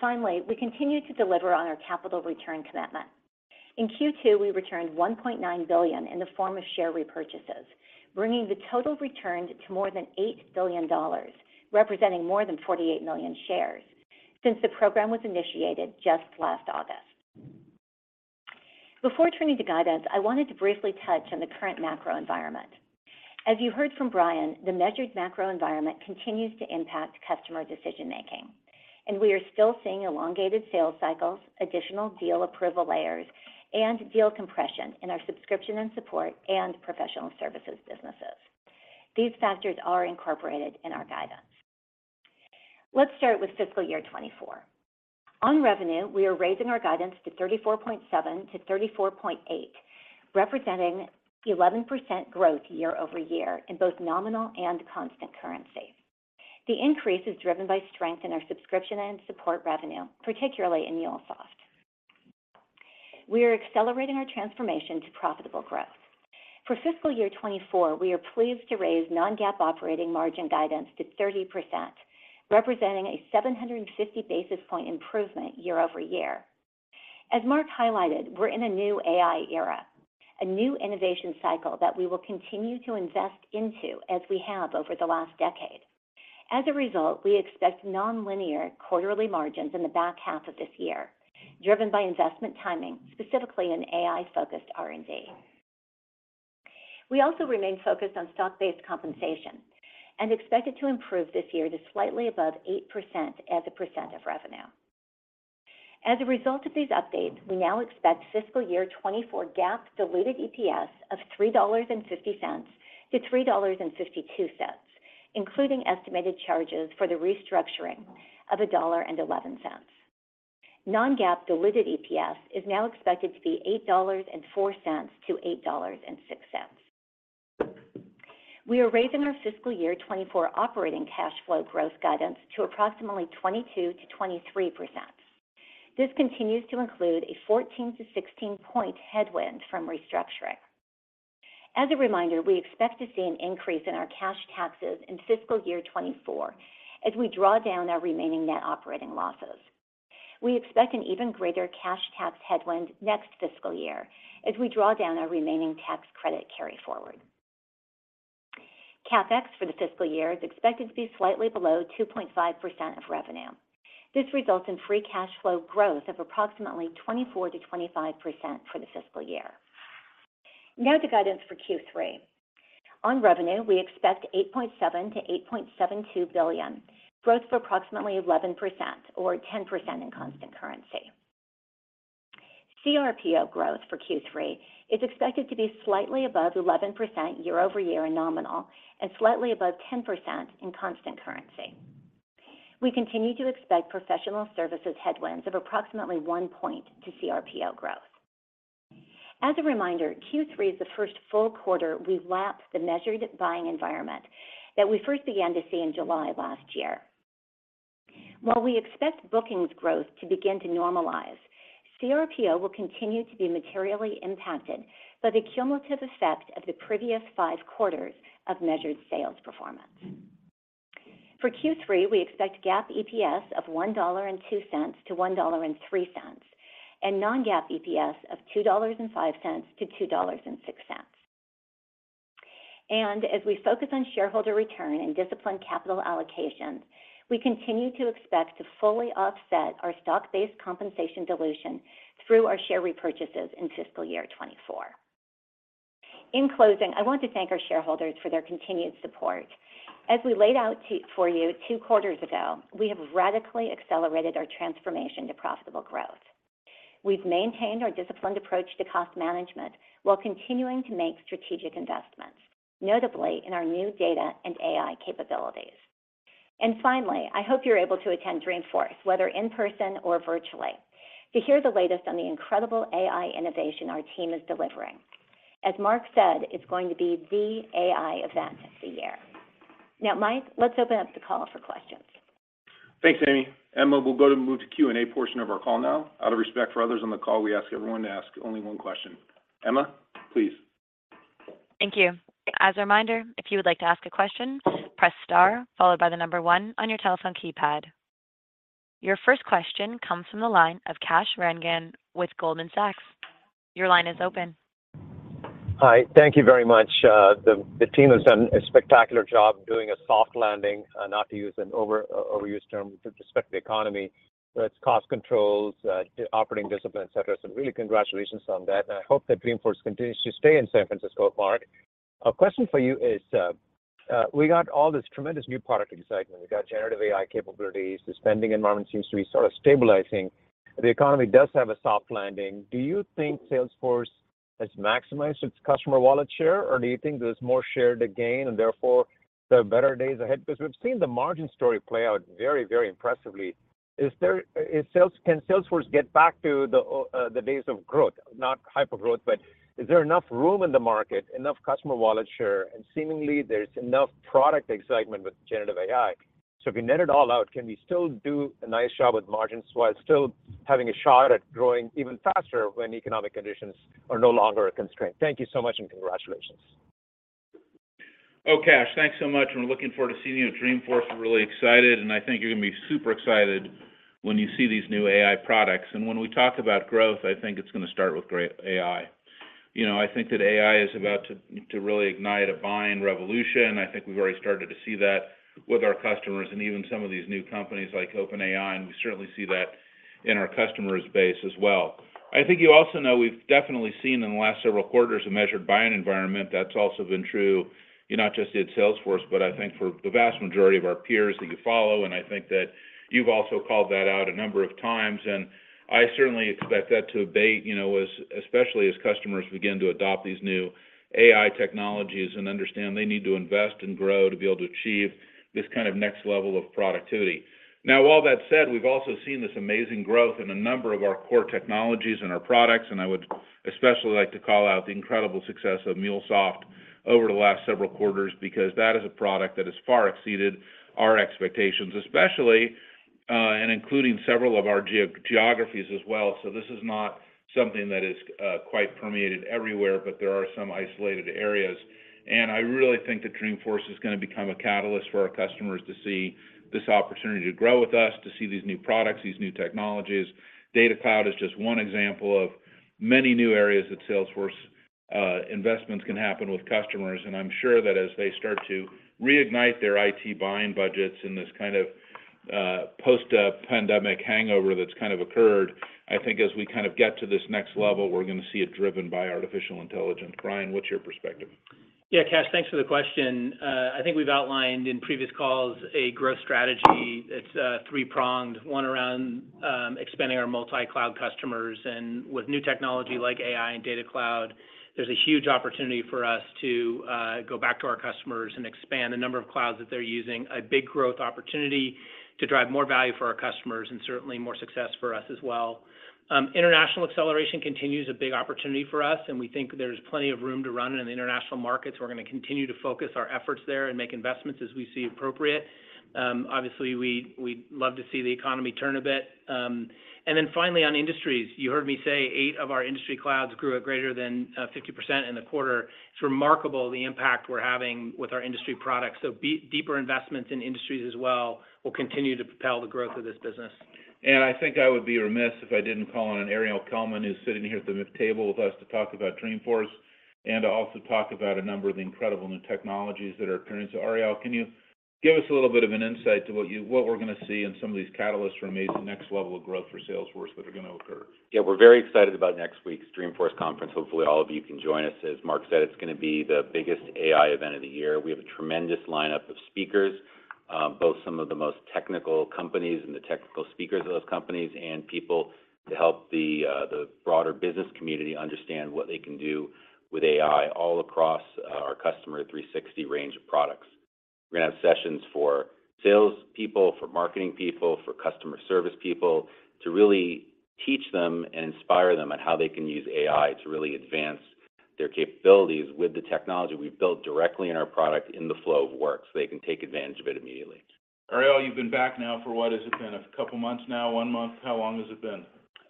Finally, we continued to deliver on our capital return commitment. In Q2, we returned $1.9 billion in the form of share repurchases, bringing the total returned to more than $8 billion, representing more than 48 million shares since the program was initiated just last August. Before turning to guidance, I wanted to briefly touch on the current macro environment. As you heard from Brian, the measured macro environment continues to impact customer decision-making, and we are still seeing elongated sales cycles, additional deal approval layers, and deal compression in our subscription and support and professional services businesses. These factors are incorporated in our guidance. Let's start with fiscal year 2024. On revenue, we are raising our guidance to $34.7 billion-$34.8 billion, representing 11% growth year over year in both nominal and constant currency. The increase is driven by strength in our subscription and support revenue, particularly in MuleSoft. We are accelerating our transformation to profitable growth. For fiscal year 2024, we are pleased to raise non-GAAP operating margin guidance to 30%, representing a 750 basis point improvement year over year. As Mark highlighted, we're in a new AI era, a new innovation cycle that we will continue to invest into as we have over the last decade. As a result, we expect nonlinear quarterly margins in the back half of this year, driven by investment timing, specifically in AI-focused R&D. We also remain focused on stock-based compensation and expect it to improve this year to slightly above 8% as a percent of revenue. As a result of these updates, we now expect fiscal year 2024 GAAP diluted EPS of $3.50-$3.52, including estimated charges for the restructuring of $1.11. Non-GAAP diluted EPS is now expected to be $8.04-$8.06. We are raising our fiscal year 2024 operating cash flow growth guidance to approximately 22%-23%. This continues to include a 14-16 point headwind from restructuring. As a reminder, we expect to see an increase in our cash taxes in fiscal year 2024 as we draw down our remaining net operating losses. We expect an even greater cash tax headwind next fiscal year as we draw down our remaining tax credit carryforward. CapEx for the fiscal year is expected to be slightly below 2.5% of revenue. This results in free cash flow growth of approximately 24%-25% for the fiscal year. Now to guidance for Q3. On revenue, we expect $8.7 billion-$8.72 billion, growth of approximately 11% or 10% in constant currency. CRPO growth for Q3 is expected to be slightly above 11% year-over-year in nominal and slightly above 10% in constant currency. We continue to expect professional services headwinds of approximately 1 point to CRPO growth. As a reminder, Q3 is the first full quarter we've lapped the measured buying environment that we first began to see in July last year. While we expect bookings growth to begin to normalize, CRPO will continue to be materially impacted by the cumulative effect of the previous 5 quarters of measured sales performance. For Q3, we expect GAAP EPS of $1.02-$1.03, and non-GAAP EPS of $2.05-$2.06. As we focus on shareholder return and disciplined capital allocations, we continue to expect to fully offset our stock-based compensation dilution through our share repurchases in fiscal year 2024. In closing, I want to thank our shareholders for their continued support. As we laid out to you two quarters ago, we have radically accelerated our transformation to profitable growth. We've maintained our disciplined approach to cost management while continuing to make strategic investments, notably in our new data and AI capabilities. Finally, I hope you're able to attend Dreamforce, whether in person or virtually, to hear the latest on the incredible AI innovation our team is delivering. As Mark said, it's going to be the AI event of the year. Now, Mike, let's open up the call for questions. Thanks, Amy. Emma, we'll move to Q&A portion of our call now. Out of respect for others on the call, we ask everyone to ask only one question. Emma, please. Thank you. As a reminder, if you would like to ask a question, press star, followed by the number one on your telephone keypad. Your first question comes from the line of Kash Rangan with Goldman Sachs. Your line is open. Hi, thank you very much. The team has done a spectacular job doing a soft landing, not to use an overused term, with respect to the economy, its cost controls, operating discipline, et cetera. So really, congratulations on that, and I hope that Dreamforce continues to stay in San Francisco, Mark. A question for you is, we got all this tremendous new product excitement. We got Generative AI capabilities. The spending environment seems to be sort of stabilizing. The economy does have a soft landing. Do you think Salesforce has maximized its customer wallet share, or do you think there's more share to gain and therefore, there are better days ahead? Because we've seen the margin story play out very, very impressively. Can Salesforce get back to the days of growth? Not hypergrowth, but is there enough room in the market, enough customer wallet share, and seemingly there's enough product excitement with Generative AI. So if we net it all out, can we still do a nice job with margins while still having a shot at growing even faster when economic conditions are no longer a constraint? Thank you so much, and congratulations. Oh, Kash, thanks so much, and we're looking forward to seeing you at Dreamforce. We're really excited, and I think you're going to be super excited when you see these new AI products. And when we talk about growth, I think it's going to start with great AI. You know, I think that AI is about to, to really ignite a buying revolution. I think we've already started to see that with our customers and even some of these new companies like OpenAI, and we certainly see that in our customer base as well. I think you also know we've definitely seen in the last several quarters, a measured buying environment. That's also been true, not just at Salesforce, but I think for the vast majority of our peers that you follow, and I think that you've also called that out a number of times, and I certainly expect that to abate, you know, as especially as customers begin to adopt these new AI technologies and understand they need to invest and grow to be able to achieve this kind of next level of productivity. Now, all that said, we've also seen this amazing growth in a number of our core technologies and our products, and I would especially like to call out the incredible success of MuleSoft over the last several quarters, because that is a product that has far exceeded our expectations, especially, and including several of our geographies as well. So this is not something that is quite permeated everywhere, but there are some isolated areas. And I really think that Dreamforce is gonna become a catalyst for our customers to see this opportunity to grow with us, to see these new products, these new technologies. Data Cloud is just one example of many new areas that Salesforce investments can happen with customers. And I'm sure that as they start to reignite their IT buying budgets in this kind of post-pandemic hangover that's kind of occurred, I think as we kind of get to this next level, we're gonna see it driven by artificial intelligence. Brian, what's your perspective? Yeah, Kash, thanks for the question. I think we've outlined in previous calls a growth strategy. It's a three-pronged, one around expanding our multi-cloud customers. And with new technology like AI and Data Cloud, there's a huge opportunity for us to go back to our customers and expand the number of clouds that they're using, a big growth opportunity to drive more value for our customers and certainly more success for us as well. International acceleration continues a big opportunity for us, and we think there's plenty of room to run in the international markets. We're gonna continue to focus our efforts there and make investments as we see appropriate. Obviously, we, we'd love to see the economy turn a bit. And then finally, on industries, you heard me say 8 of our industry clouds grew at greater than 50% in the quarter. It's remarkable the impact we're having with our industry products. So deeper investments in industries as well will continue to propel the growth of this business. I think I would be remiss if I didn't call on Ariel Kelman, who's sitting here at the table with us, to talk about Dreamforce, and to also talk about a number of the incredible new technologies that are appearing. So, Ariel, can you give us a little bit of an insight to what we're gonna see and some of these catalysts for maybe the next level of growth for Salesforce that are gonna occur? Yeah, we're very excited about next week's Dreamforce conference. Hopefully, all of you can join us. As Mark said, it's gonna be the biggest AI event of the year. We have a tremendous lineup of speakers, both some of the most technical companies and the technical speakers of those companies, and people to help the broader business community understand what they can do with AI all across our Customer 360 range of products. We're gonna have sessions for sales people, for marketing people, for customer service people, to really teach them and inspire them on how they can use AI to really advance their capabilities with the technology we've built directly in our product in the flow of work, so they can take advantage of it immediately. Ariel, you've been back now for what has it been? A couple months now, one month? How long has it been?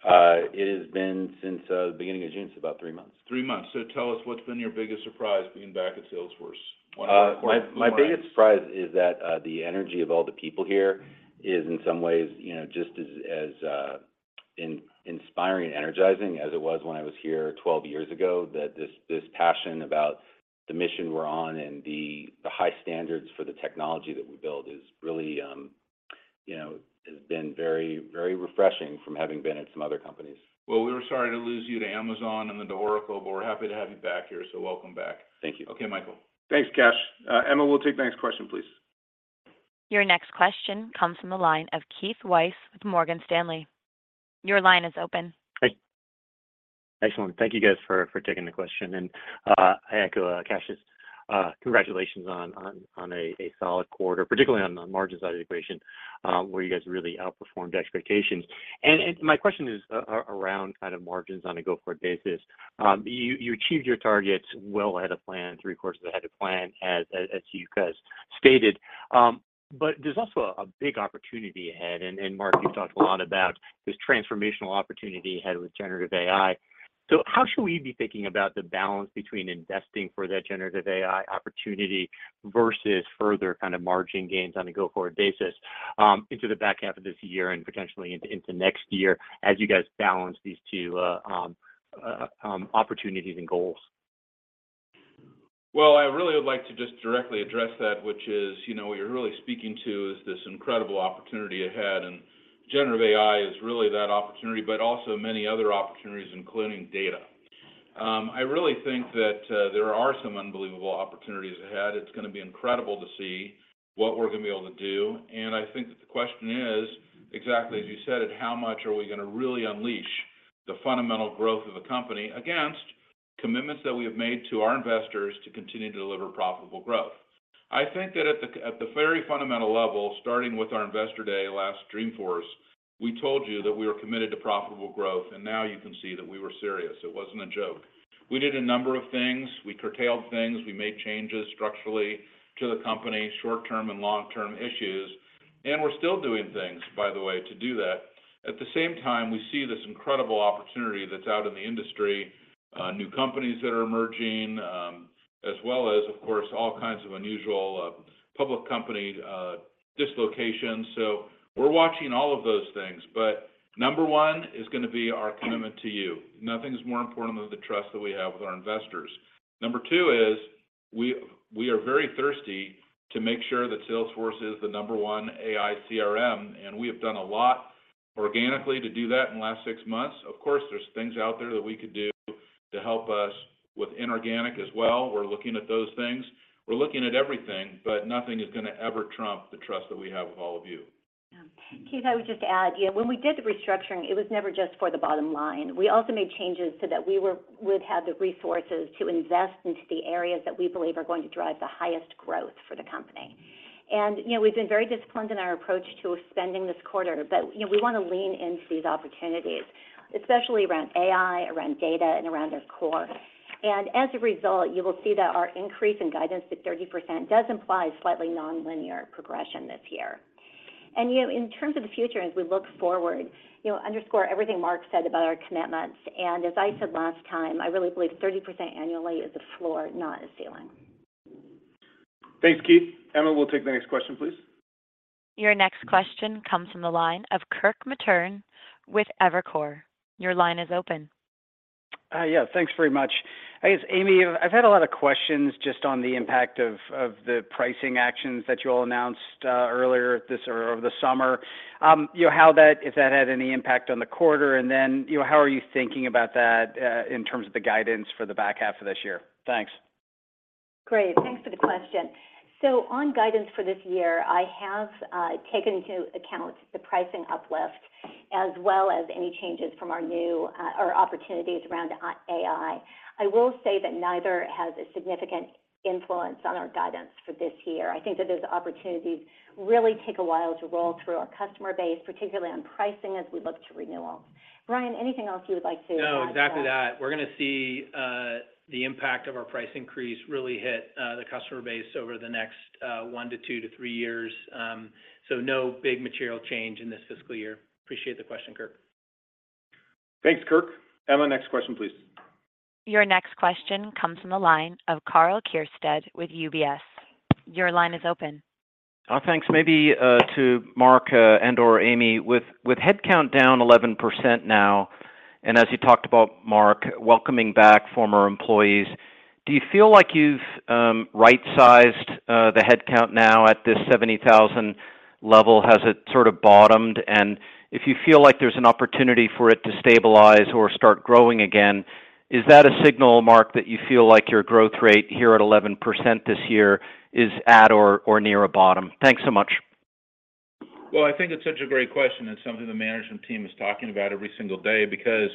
It has been since the beginning of June, so about three months. Three months. So tell us, what's been your biggest surprise being back at Salesforce? What- My biggest surprise is that the energy of all the people here is, in some ways, you know, just as inspiring and energizing as it was when I was here 12 years ago, that this passion about the mission we're on and the high standards for the technology that we build is really, you know, has been very, very refreshing from having been at some other companies. Well, we were sorry to lose you to Amazon and then to Oracle, but we're happy to have you back here, so welcome back. Thank you. Okay, Michael. Thanks, Kash. Emma, we'll take the next question, please. Your next question comes from the line of Keith Weiss with Morgan Stanley. Your line is open. Hey. Excellent. Thank you guys for taking the question, and I echo Kash's congratulations on a solid quarter, particularly on the margin side of the equation, where you guys really outperformed expectations. My question is around kind of margins on a go-forward basis. You achieved your targets well ahead of plan, three quarters ahead of plan, as you guys stated. But there's also a big opportunity ahead, and Mark, you've talked a lot about this transformational opportunity ahead with generative AI. So how should we be thinking about the balance between investing for that Generative AI opportunity versus further kind of margin gains on a go-forward basis, into the back half of this year and potentially into, into next year, as you guys balance these two opportunities and goals? Well, I really would like to just directly address that, which is, you know, what you're really speaking to is this incredible opportunity ahead, and Generative AI is really that opportunity, but also many other opportunities, including data. I really think that there are some unbelievable opportunities ahead. It's gonna be incredible to see what we're gonna be able to do, and I think that the question is, exactly as you said, at how much are we gonna really unleash the fundamental growth of the company against commitments that we have made to our investors to continue to deliver profitable growth? I think that at the very fundamental level, starting with our Investor Day last Dreamforce, we told you that we were committed to profitable growth, and now you can see that we were serious. It wasn't a joke. We did a number of things. We curtailed things. We made changes structurally to the company, short-term and long-term issues, and we're still doing things, by the way, to do that. At the same time, we see this incredible opportunity that's out in the industry, new companies that are emerging, as well as, of course, all kinds of unusual, public company, dislocations. So we're watching all of those things, but number one is gonna be our commitment to you. Nothing is more important than the trust that we have with our investors. Number two is we, we are very thirsty to make sure that Salesforce is the number one AI CRM, and we have done a lot organically to do that in the last six months. Of course, there's things out there that we could do to help us with inorganic as well. We're looking at those things. We're looking at everything, but nothing is gonna ever trump the trust that we have with all of you. Yeah. Keith, I would just add, you know, when we did the restructuring, it was never just for the bottom line. We also made changes so that we'd have the resources to invest into the areas that we believe are going to drive the highest growth for the company. You know, we've been very disciplined in our approach to spending this quarter, but, you know, we want to lean into these opportunities, especially around AI, around data, and around our core. And as a result, you will see that our increase in guidance to 30% does imply slightly nonlinear progression this year. And, you know, in terms of the future, as we look forward, you know, underscore everything Mark said about our commitments, and as I said last time, I really believe 30% annually is a floor, not a ceiling. Thanks, Keith. Emma, we'll take the next question, please. Your next question comes from the line of Kirk Materne with Evercore. Your line is open. Yeah, thanks very much. I guess, Amy, I've had a lot of questions just on the impact of the pricing actions that you all announced earlier this or over the summer. You know, how that if that had any impact on the quarter, and then, you know, how are you thinking about that in terms of the guidance for the back half of this year? Thanks. Great, thanks for the question. So on guidance for this year, I have taken into account the pricing uplift, as well as any changes from our new or opportunities around AI. I will say that neither has a significant influence on our guidance for this year. I think that those opportunities really take a while to roll through our customer base, particularly on pricing, as we look to renewal. Brian, anything else you would like to add? No, exactly that. We're gonna see the impact of our price increase really hit the customer base over the next 1 to 2 to 3 years. So no big material change in this fiscal year. Appreciate the question, Kirk. Thanks, Kirk. Emma, next question, please. Your next question comes from the line of Karl Keirstead with UBS. Your line is open. Thanks. Maybe to Marc and/or Amy, with headcount down 11% now, and as you talked about, Marc, welcoming back former employees, do you feel like you've right-sized the headcount now at this 70,000 level? Has it sort of bottomed? And if you feel like there's an opportunity for it to stabilize or start growing again, is that a signal, Marc, that you feel like your growth rate here at 11% this year is at or near a bottom? Thanks so much. Well, I think it's such a great question, and something the management team is talking about every single day, because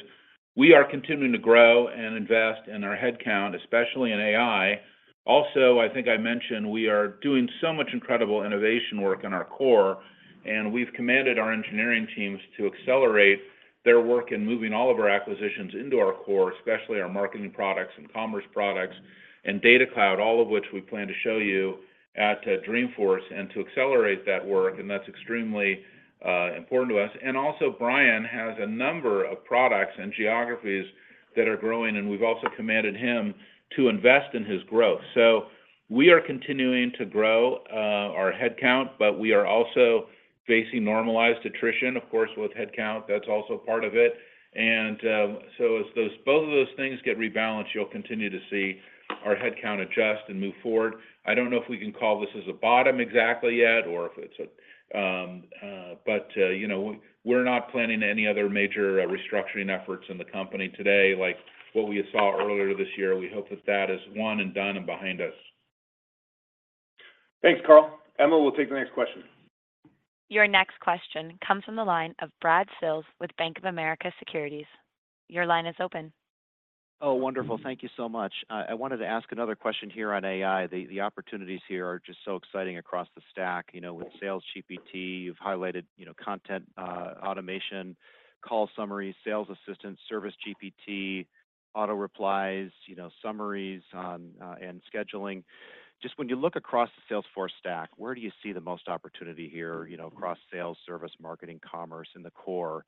we are continuing to grow and invest in our headcount, especially in AI. Also, I think I mentioned we are doing so much incredible innovation work in our core, and we've commanded our engineering teams to accelerate their work in moving all of our acquisitions into our core, especially our marketing products and commerce products and Data Cloud, all of which we plan to show you at Dreamforce and to accelerate that work, and that's extremely important to us. And also, Brian has a number of products and geographies that are growing, and we've also commanded him to invest in his growth. So we are continuing to grow our headcount, but we are also facing normalized attrition. Of course, with headcount, that's also part of it. So as those both of those things get rebalanced, you'll continue to see our headcount adjust and move forward. I don't know if we can call this as a bottom exactly yet, or if it's a, you know, we're not planning any other major restructuring efforts in the company today, like what we saw earlier this year. We hope that that is one and done and behind us. Thanks, Karl. Emma, we'll take the next question. Your next question comes from the line of Brad Sills with Bank of America Securities. Your line is open. Oh, wonderful. Thank you so much. I wanted to ask another question here on AI. The opportunities here are just so exciting across the stack, you know, with Sales GPT, you've highlighted, you know, content, automation, call summaries, sales assistance, Service GPT, auto replies, you know, summaries on, and scheduling. Just when you look across the Salesforce stack, where do you see the most opportunity here, you know, across sales, service, marketing, commerce, and the core,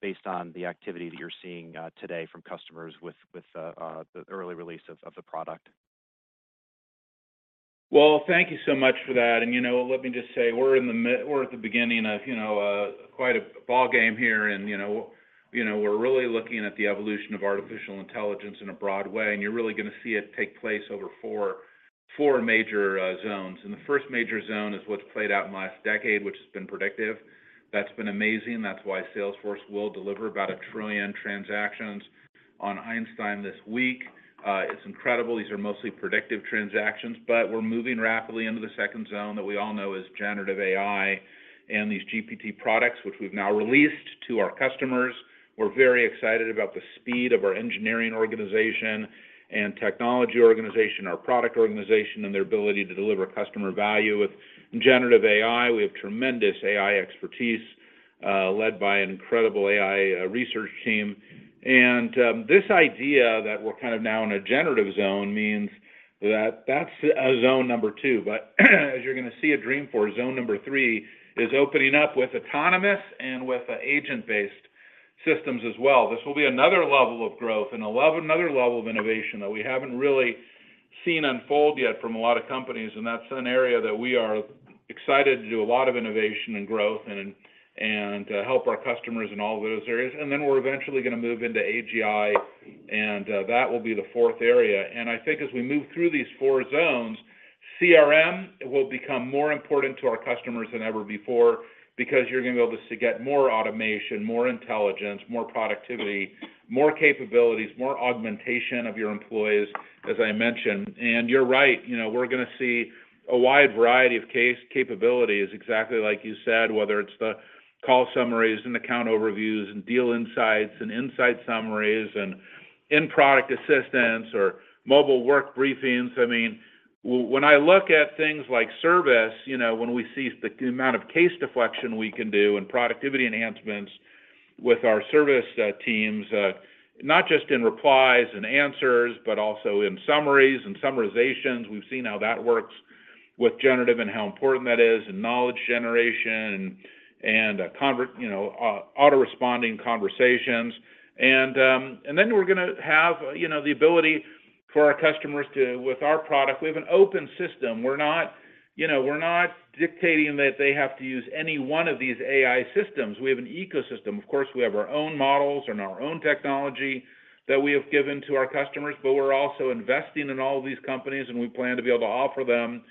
based on the activity that you're seeing, today from customers with the early release of the product? Well, thank you so much for that. You know, let me just say, we're at the beginning of, you know, quite a ball game here and, you know, you know, we're really looking at the evolution of artificial intelligence in a broad way, and you're really gonna see it take place over 4 major zones. The first major zone is what's played out in the last decade, which has been predictive. That's been amazing. That's why Salesforce will deliver about 1 trillion transactions on Einstein this week. It's incredible. These are mostly predictive transactions, but we're moving rapidly into the second zone that we all know as Generative AI, and these GPT products, which we've now released to our customers. We're very excited about the speed of our engineering organization and technology organization, our product organization, and their ability to deliver customer value. With generative AI, we have tremendous AI expertise, led by an incredible AI research team. And this idea that we're kind of now in a generative zone means that that's zone number two. But, as you're gonna see at Dreamforce, zone number three is opening up with autonomous and with agent-based systems as well. This will be another level of growth and another level of innovation that we haven't really seen unfold yet from a lot of companies, and that's an area that we are excited to do a lot of innovation and growth and help our customers in all those areas. And then we're eventually gonna move into AGI, and that will be the fourth area. And I think as we move through these four zones, CRM will become more important to our customers than ever before because you're gonna be able to get more automation, more intelligence, more productivity, more capabilities, more augmentation of your employees, as I mentioned. And you're right, you know, we're gonna see a wide variety of case capabilities, exactly like you said, whether it's the call summaries and account overviews, and deal insights, and insight summaries, and in-product assistance or mobile work briefings. I mean, when I look at things like service, you know, when we see the amount of case deflection we can do and productivity enhancements with our service teams, not just in replies and answers, but also in summaries and summarizations. We've seen how that works with generative and how important that is, and knowledge generation and convert, you know, auto-responding conversations. And then we're gonna have, you know, the ability for our customers to... With our product, we have an open system. We're not, you know, we're not dictating that they have to use any one of these AI systems. We have an ecosystem. Of course, we have our own models and our own technology that we have given to our customers, but we're also investing in all of these companies, and we plan to be able to offer them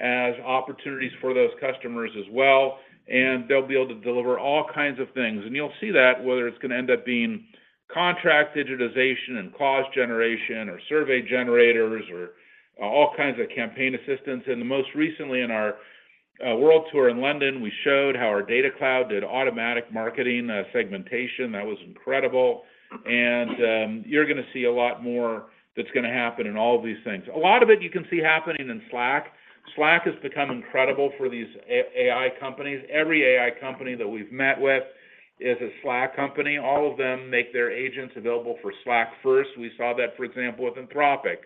as opportunities for those customers as well, and they'll be able to deliver all kinds of things. And you'll see that, whether it's gonna end up being contract digitization and clause generation, or survey generators, or all kinds of campaign assistance. Most recently, in our world tour in London, we showed how our Data Cloud did automatic marketing segmentation. That was incredible. You're gonna see a lot more that's gonna happen in all of these things. A lot of it you can see happening in Slack. Slack has become incredible for these AI companies. Every AI company that we've met with is a Slack company. All of them make their agents available for Slack first. We saw that, for example, with Anthropic,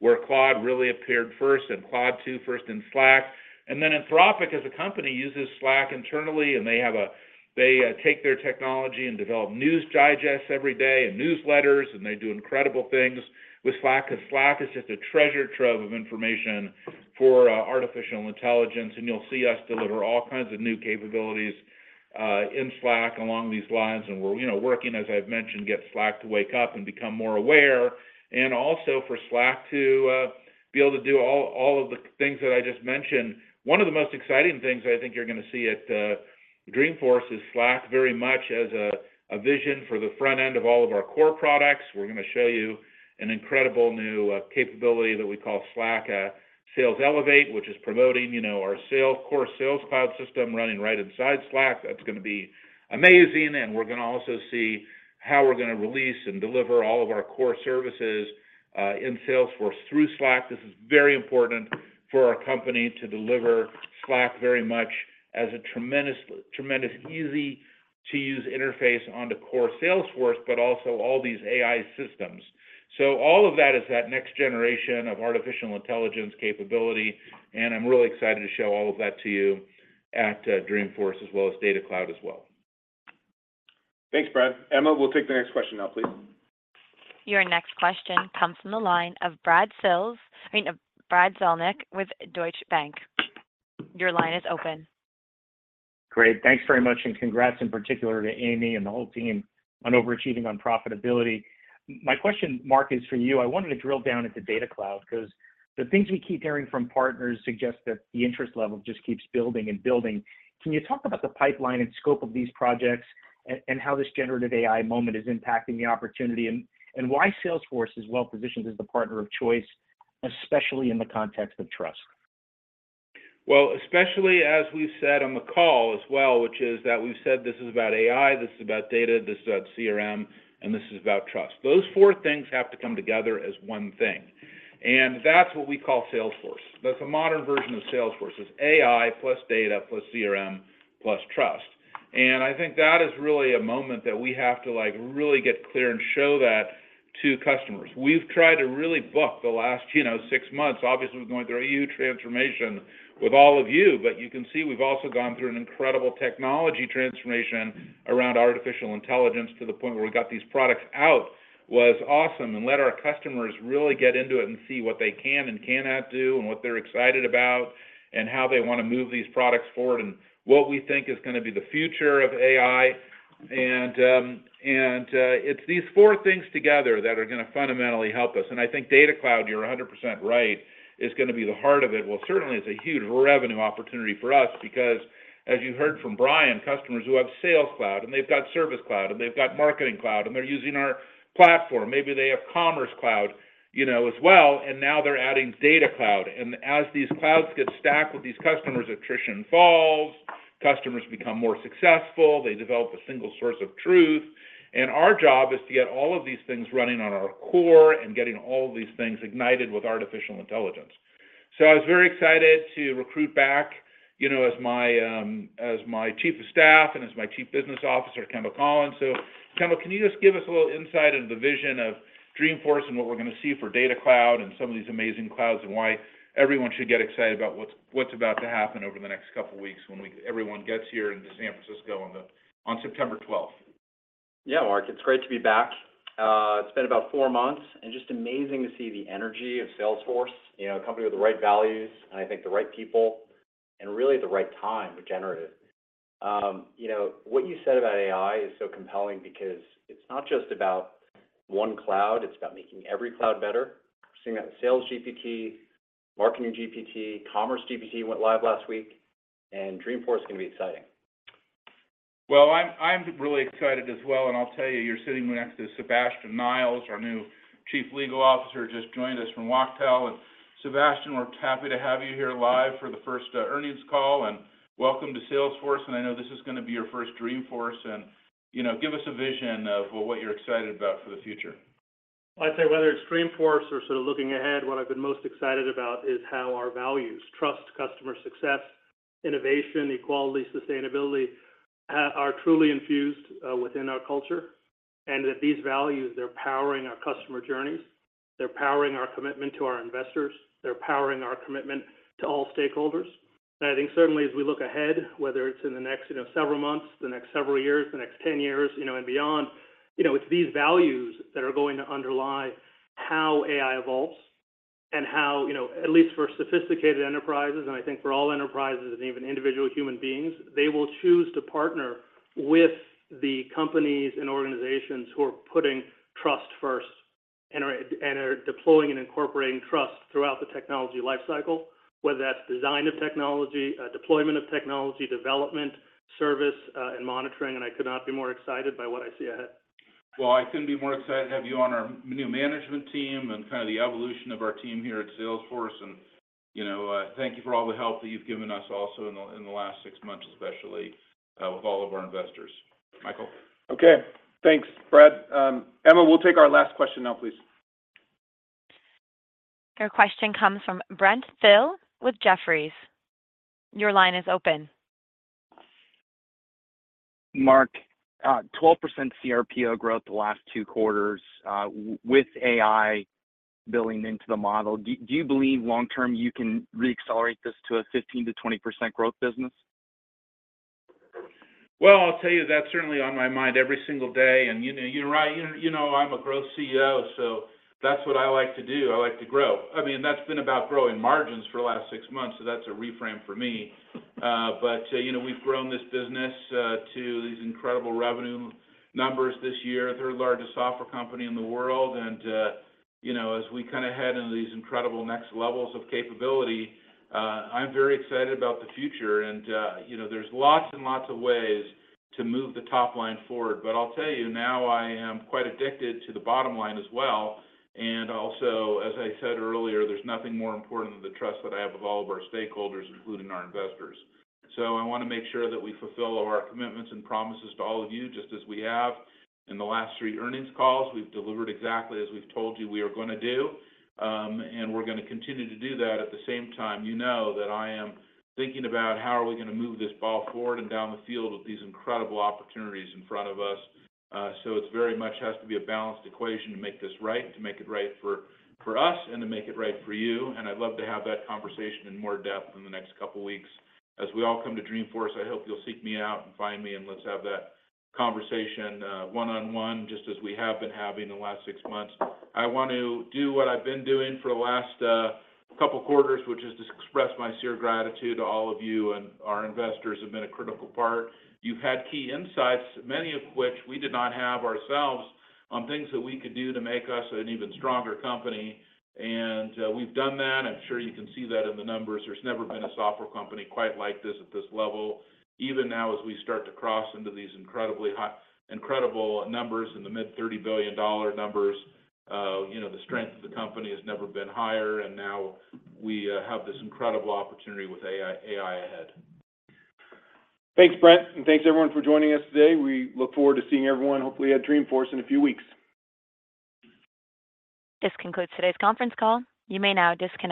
where Claude really appeared first and Claude 2 first in Slack. Then Anthropic, as a company, uses Slack internally, and they have a—they take their technology and develop news digests every day and newsletters, and they do incredible things with Slack, because Slack is just a treasure trove of information for artificial intelligence. You'll see us deliver all kinds of new capabilities in Slack along these lines. We're, you know, working, as I've mentioned, get Slack to wake up and become more aware, and also for Slack to be able to do all, all of the things that I just mentioned. One of the most exciting things I think you're gonna see at Dreamforce is Slack very much as a vision for the front end of all of our core products. We're gonna show you an incredible new capability that we call Slack Sales Elevate, which is promoting, you know, our sales core, Sales Cloud system running right inside Slack. That's gonna be amazing, and we're gonna also see how we're gonna release and deliver all of our core services in Salesforce through Slack. This is very important for our company to deliver Slack very much as a tremendous, tremendous, easy-to-use interface on the core Salesforce, but also all these AI systems. So all of that is that next generation of artificial intelligence capability, and I'm really excited to show all of that to you at Dreamforce, as well as Data Cloud as well. Thanks, Brad. Emma, we'll take the next question now, please. Your next question comes from the line of Brad Zelnick—I mean, of Brad Zelnick with Deutsche Bank. Your line is open. Great. Thanks very much, and congrats in particular to Amy and the whole team on overachieving on profitability. My question, Mark, is for you. I wanted to drill down at the Data Cloud, 'cause the things we keep hearing from partners suggest that the interest level just keeps building and building. Can you talk about the pipeline and scope of these projects, and how this generative AI moment is impacting the opportunity? And why Salesforce is well-positioned as the partner of choice, especially in the context of trust? Well, especially as we've said on the call as well, which is that we've said this is about AI, this is about data, this is about CRM, and this is about trust. Those four things have to come together as one thing, and that's what we call Salesforce. That's a modern version of Salesforce, is AI plus data plus CRM plus trust. And I think that is really a moment that we have to, like, really get clear and show that to customers. We've tried to really book the last, you know, six months. Obviously, we're going through a huge transformation with all of you, but you can see we've also gone through an incredible technology transformation around artificial intelligence, to the point where we got these products out, was awesome, and let our customers really get into it and see what they can and cannot do, and what they're excited about, and how they wanna move these products forward, and what we think is gonna be the future of AI. It's these four things together that are gonna fundamentally help us. I think Data Cloud, you're 100% right, is gonna be the heart of it. Well, certainly, it's a huge revenue opportunity for us because, as you heard from Brian, customers who have Sales Cloud, and they've got Service Cloud, and they've got Marketing Cloud, and they're using our platform. Maybe they have Commerce Cloud, you know, as well, and now they're adding Data Cloud. And as these clouds get stacked with these customers, attrition falls, customers become more successful, they develop a single source of truth. And our job is to get all of these things running on our core and getting all these things ignited with artificial intelligence. So I was very excited to recruit back, you know, as my Chief of Staff and as my Chief Business Officer, Kendall Collins. So Kendall, can you just give us a little insight into the vision of Dreamforce and what we're gonna see for Data Cloud and some of these amazing clouds, and why everyone should get excited about what's about to happen over the next couple of weeks when everyone gets here into San Francisco on September 12th? Yeah, Mark, it's great to be back. It's been about four months, and just amazing to see the energy of Salesforce. You know, a company with the right values, and I think the right people, and really the right time with generative. You know, what you said about AI is so compelling because it's not just about one cloud, it's about making every cloud better. Seeing that with Sales GPT, Marketing GPT, Commerce GPT went live last week, and Dreamforce is gonna be exciting. Well, I'm really excited as well, and I'll tell you, you're sitting next to Sabastian Niles, our new Chief Legal Officer, just joined us from Wachtell. Sebastian, we're happy to have you here live for the first earnings call, and welcome to Salesforce. I know this is gonna be your first Dreamforce and, you know, give us a vision of what you're excited about for the future. I'd say whether it's Dreamforce or sort of looking ahead, what I've been most excited about is how our values, trust, customer success, innovation, equality, sustainability, are truly infused within our culture. And that these values, they're powering our customer journeys, they're powering our commitment to our investors, they're powering our commitment to all stakeholders. And I think certainly as we look ahead, whether it's in the next, you know, several months, the next several years, the next ten years, you know, and beyond, you know, it's these values that are going to underlie how AI evolves and how, you know, at least for sophisticated enterprises, and I think for all enterprises and even individual human beings, they will choose to partner with the companies and organizations who are putting trust first, and are deploying and incorporating trust throughout the technology lifecycle. Whether that's design of technology, deployment of technology, development, service, and monitoring, and I could not be more excited by what I see ahead. Well, I couldn't be more excited to have you on our new management team and kind of the evolution of our team here at Salesforce. You know, thank you for all the help that you've given us also in the last six months, especially with all of our investors. Michael? Okay. Thanks, Brad. Emma, we'll take our last question now, please. Your question comes from Brent Thill with Jefferies. Your line is open. Mark, 12% CRPO growth the last 2 quarters, with AI billing into the model, do you believe long term you can re-accelerate this to a 15%-20% growth business? Well, I'll tell you, that's certainly on my mind every single day. And you know, you're right, you know, I'm a growth CEO, so that's what I like to do. I like to grow. I mean, that's been about growing margins for the last six months, so that's a reframe for me. But, you know, we've grown this business to these incredible revenue numbers this year, the third largest software company in the world. And, you know, as we kind of head into these incredible next levels of capability, I'm very excited about the future. And, you know, there's lots and lots of ways to move the top line forward. But I'll tell you, now I am quite addicted to the bottom line as well. Also, as I said earlier, there's nothing more important than the trust that I have with all of our stakeholders, including our investors. So I want to make sure that we fulfill all our commitments and promises to all of you, just as we have in the last three earnings calls. We've delivered exactly as we've told you we are gonna do, and we're gonna continue to do that. At the same time, you know that I am thinking about how are we gonna move this ball forward and down the field with these incredible opportunities in front of us. So it's very much has to be a balanced equation to make this right, to make it right for, for us, and to make it right for you. And I'd love to have that conversation in more depth in the next couple of weeks. As we all come to Dreamforce, I hope you'll seek me out and find me, and let's have that conversation, one-on-one, just as we have been having the last six months. I want to do what I've been doing for the last couple of quarters, which is to express my sincere gratitude to all of you, and our investors have been a critical part. You've had key insights, many of which we did not have ourselves, on things that we could do to make us an even stronger company. And we've done that. I'm sure you can see that in the numbers. There's never been a software company quite like this at this level. Even now, as we start to cross into these incredible numbers in the mid-$30 billion numbers, you know, the strength of the company has never been higher, and now we have this incredible opportunity with AI, AI ahead. Thanks, Brent, and thanks everyone for joining us today. We look forward to seeing everyone, hopefully, at Dreamforce in a few weeks. This concludes today's conference call. You may now disconnect.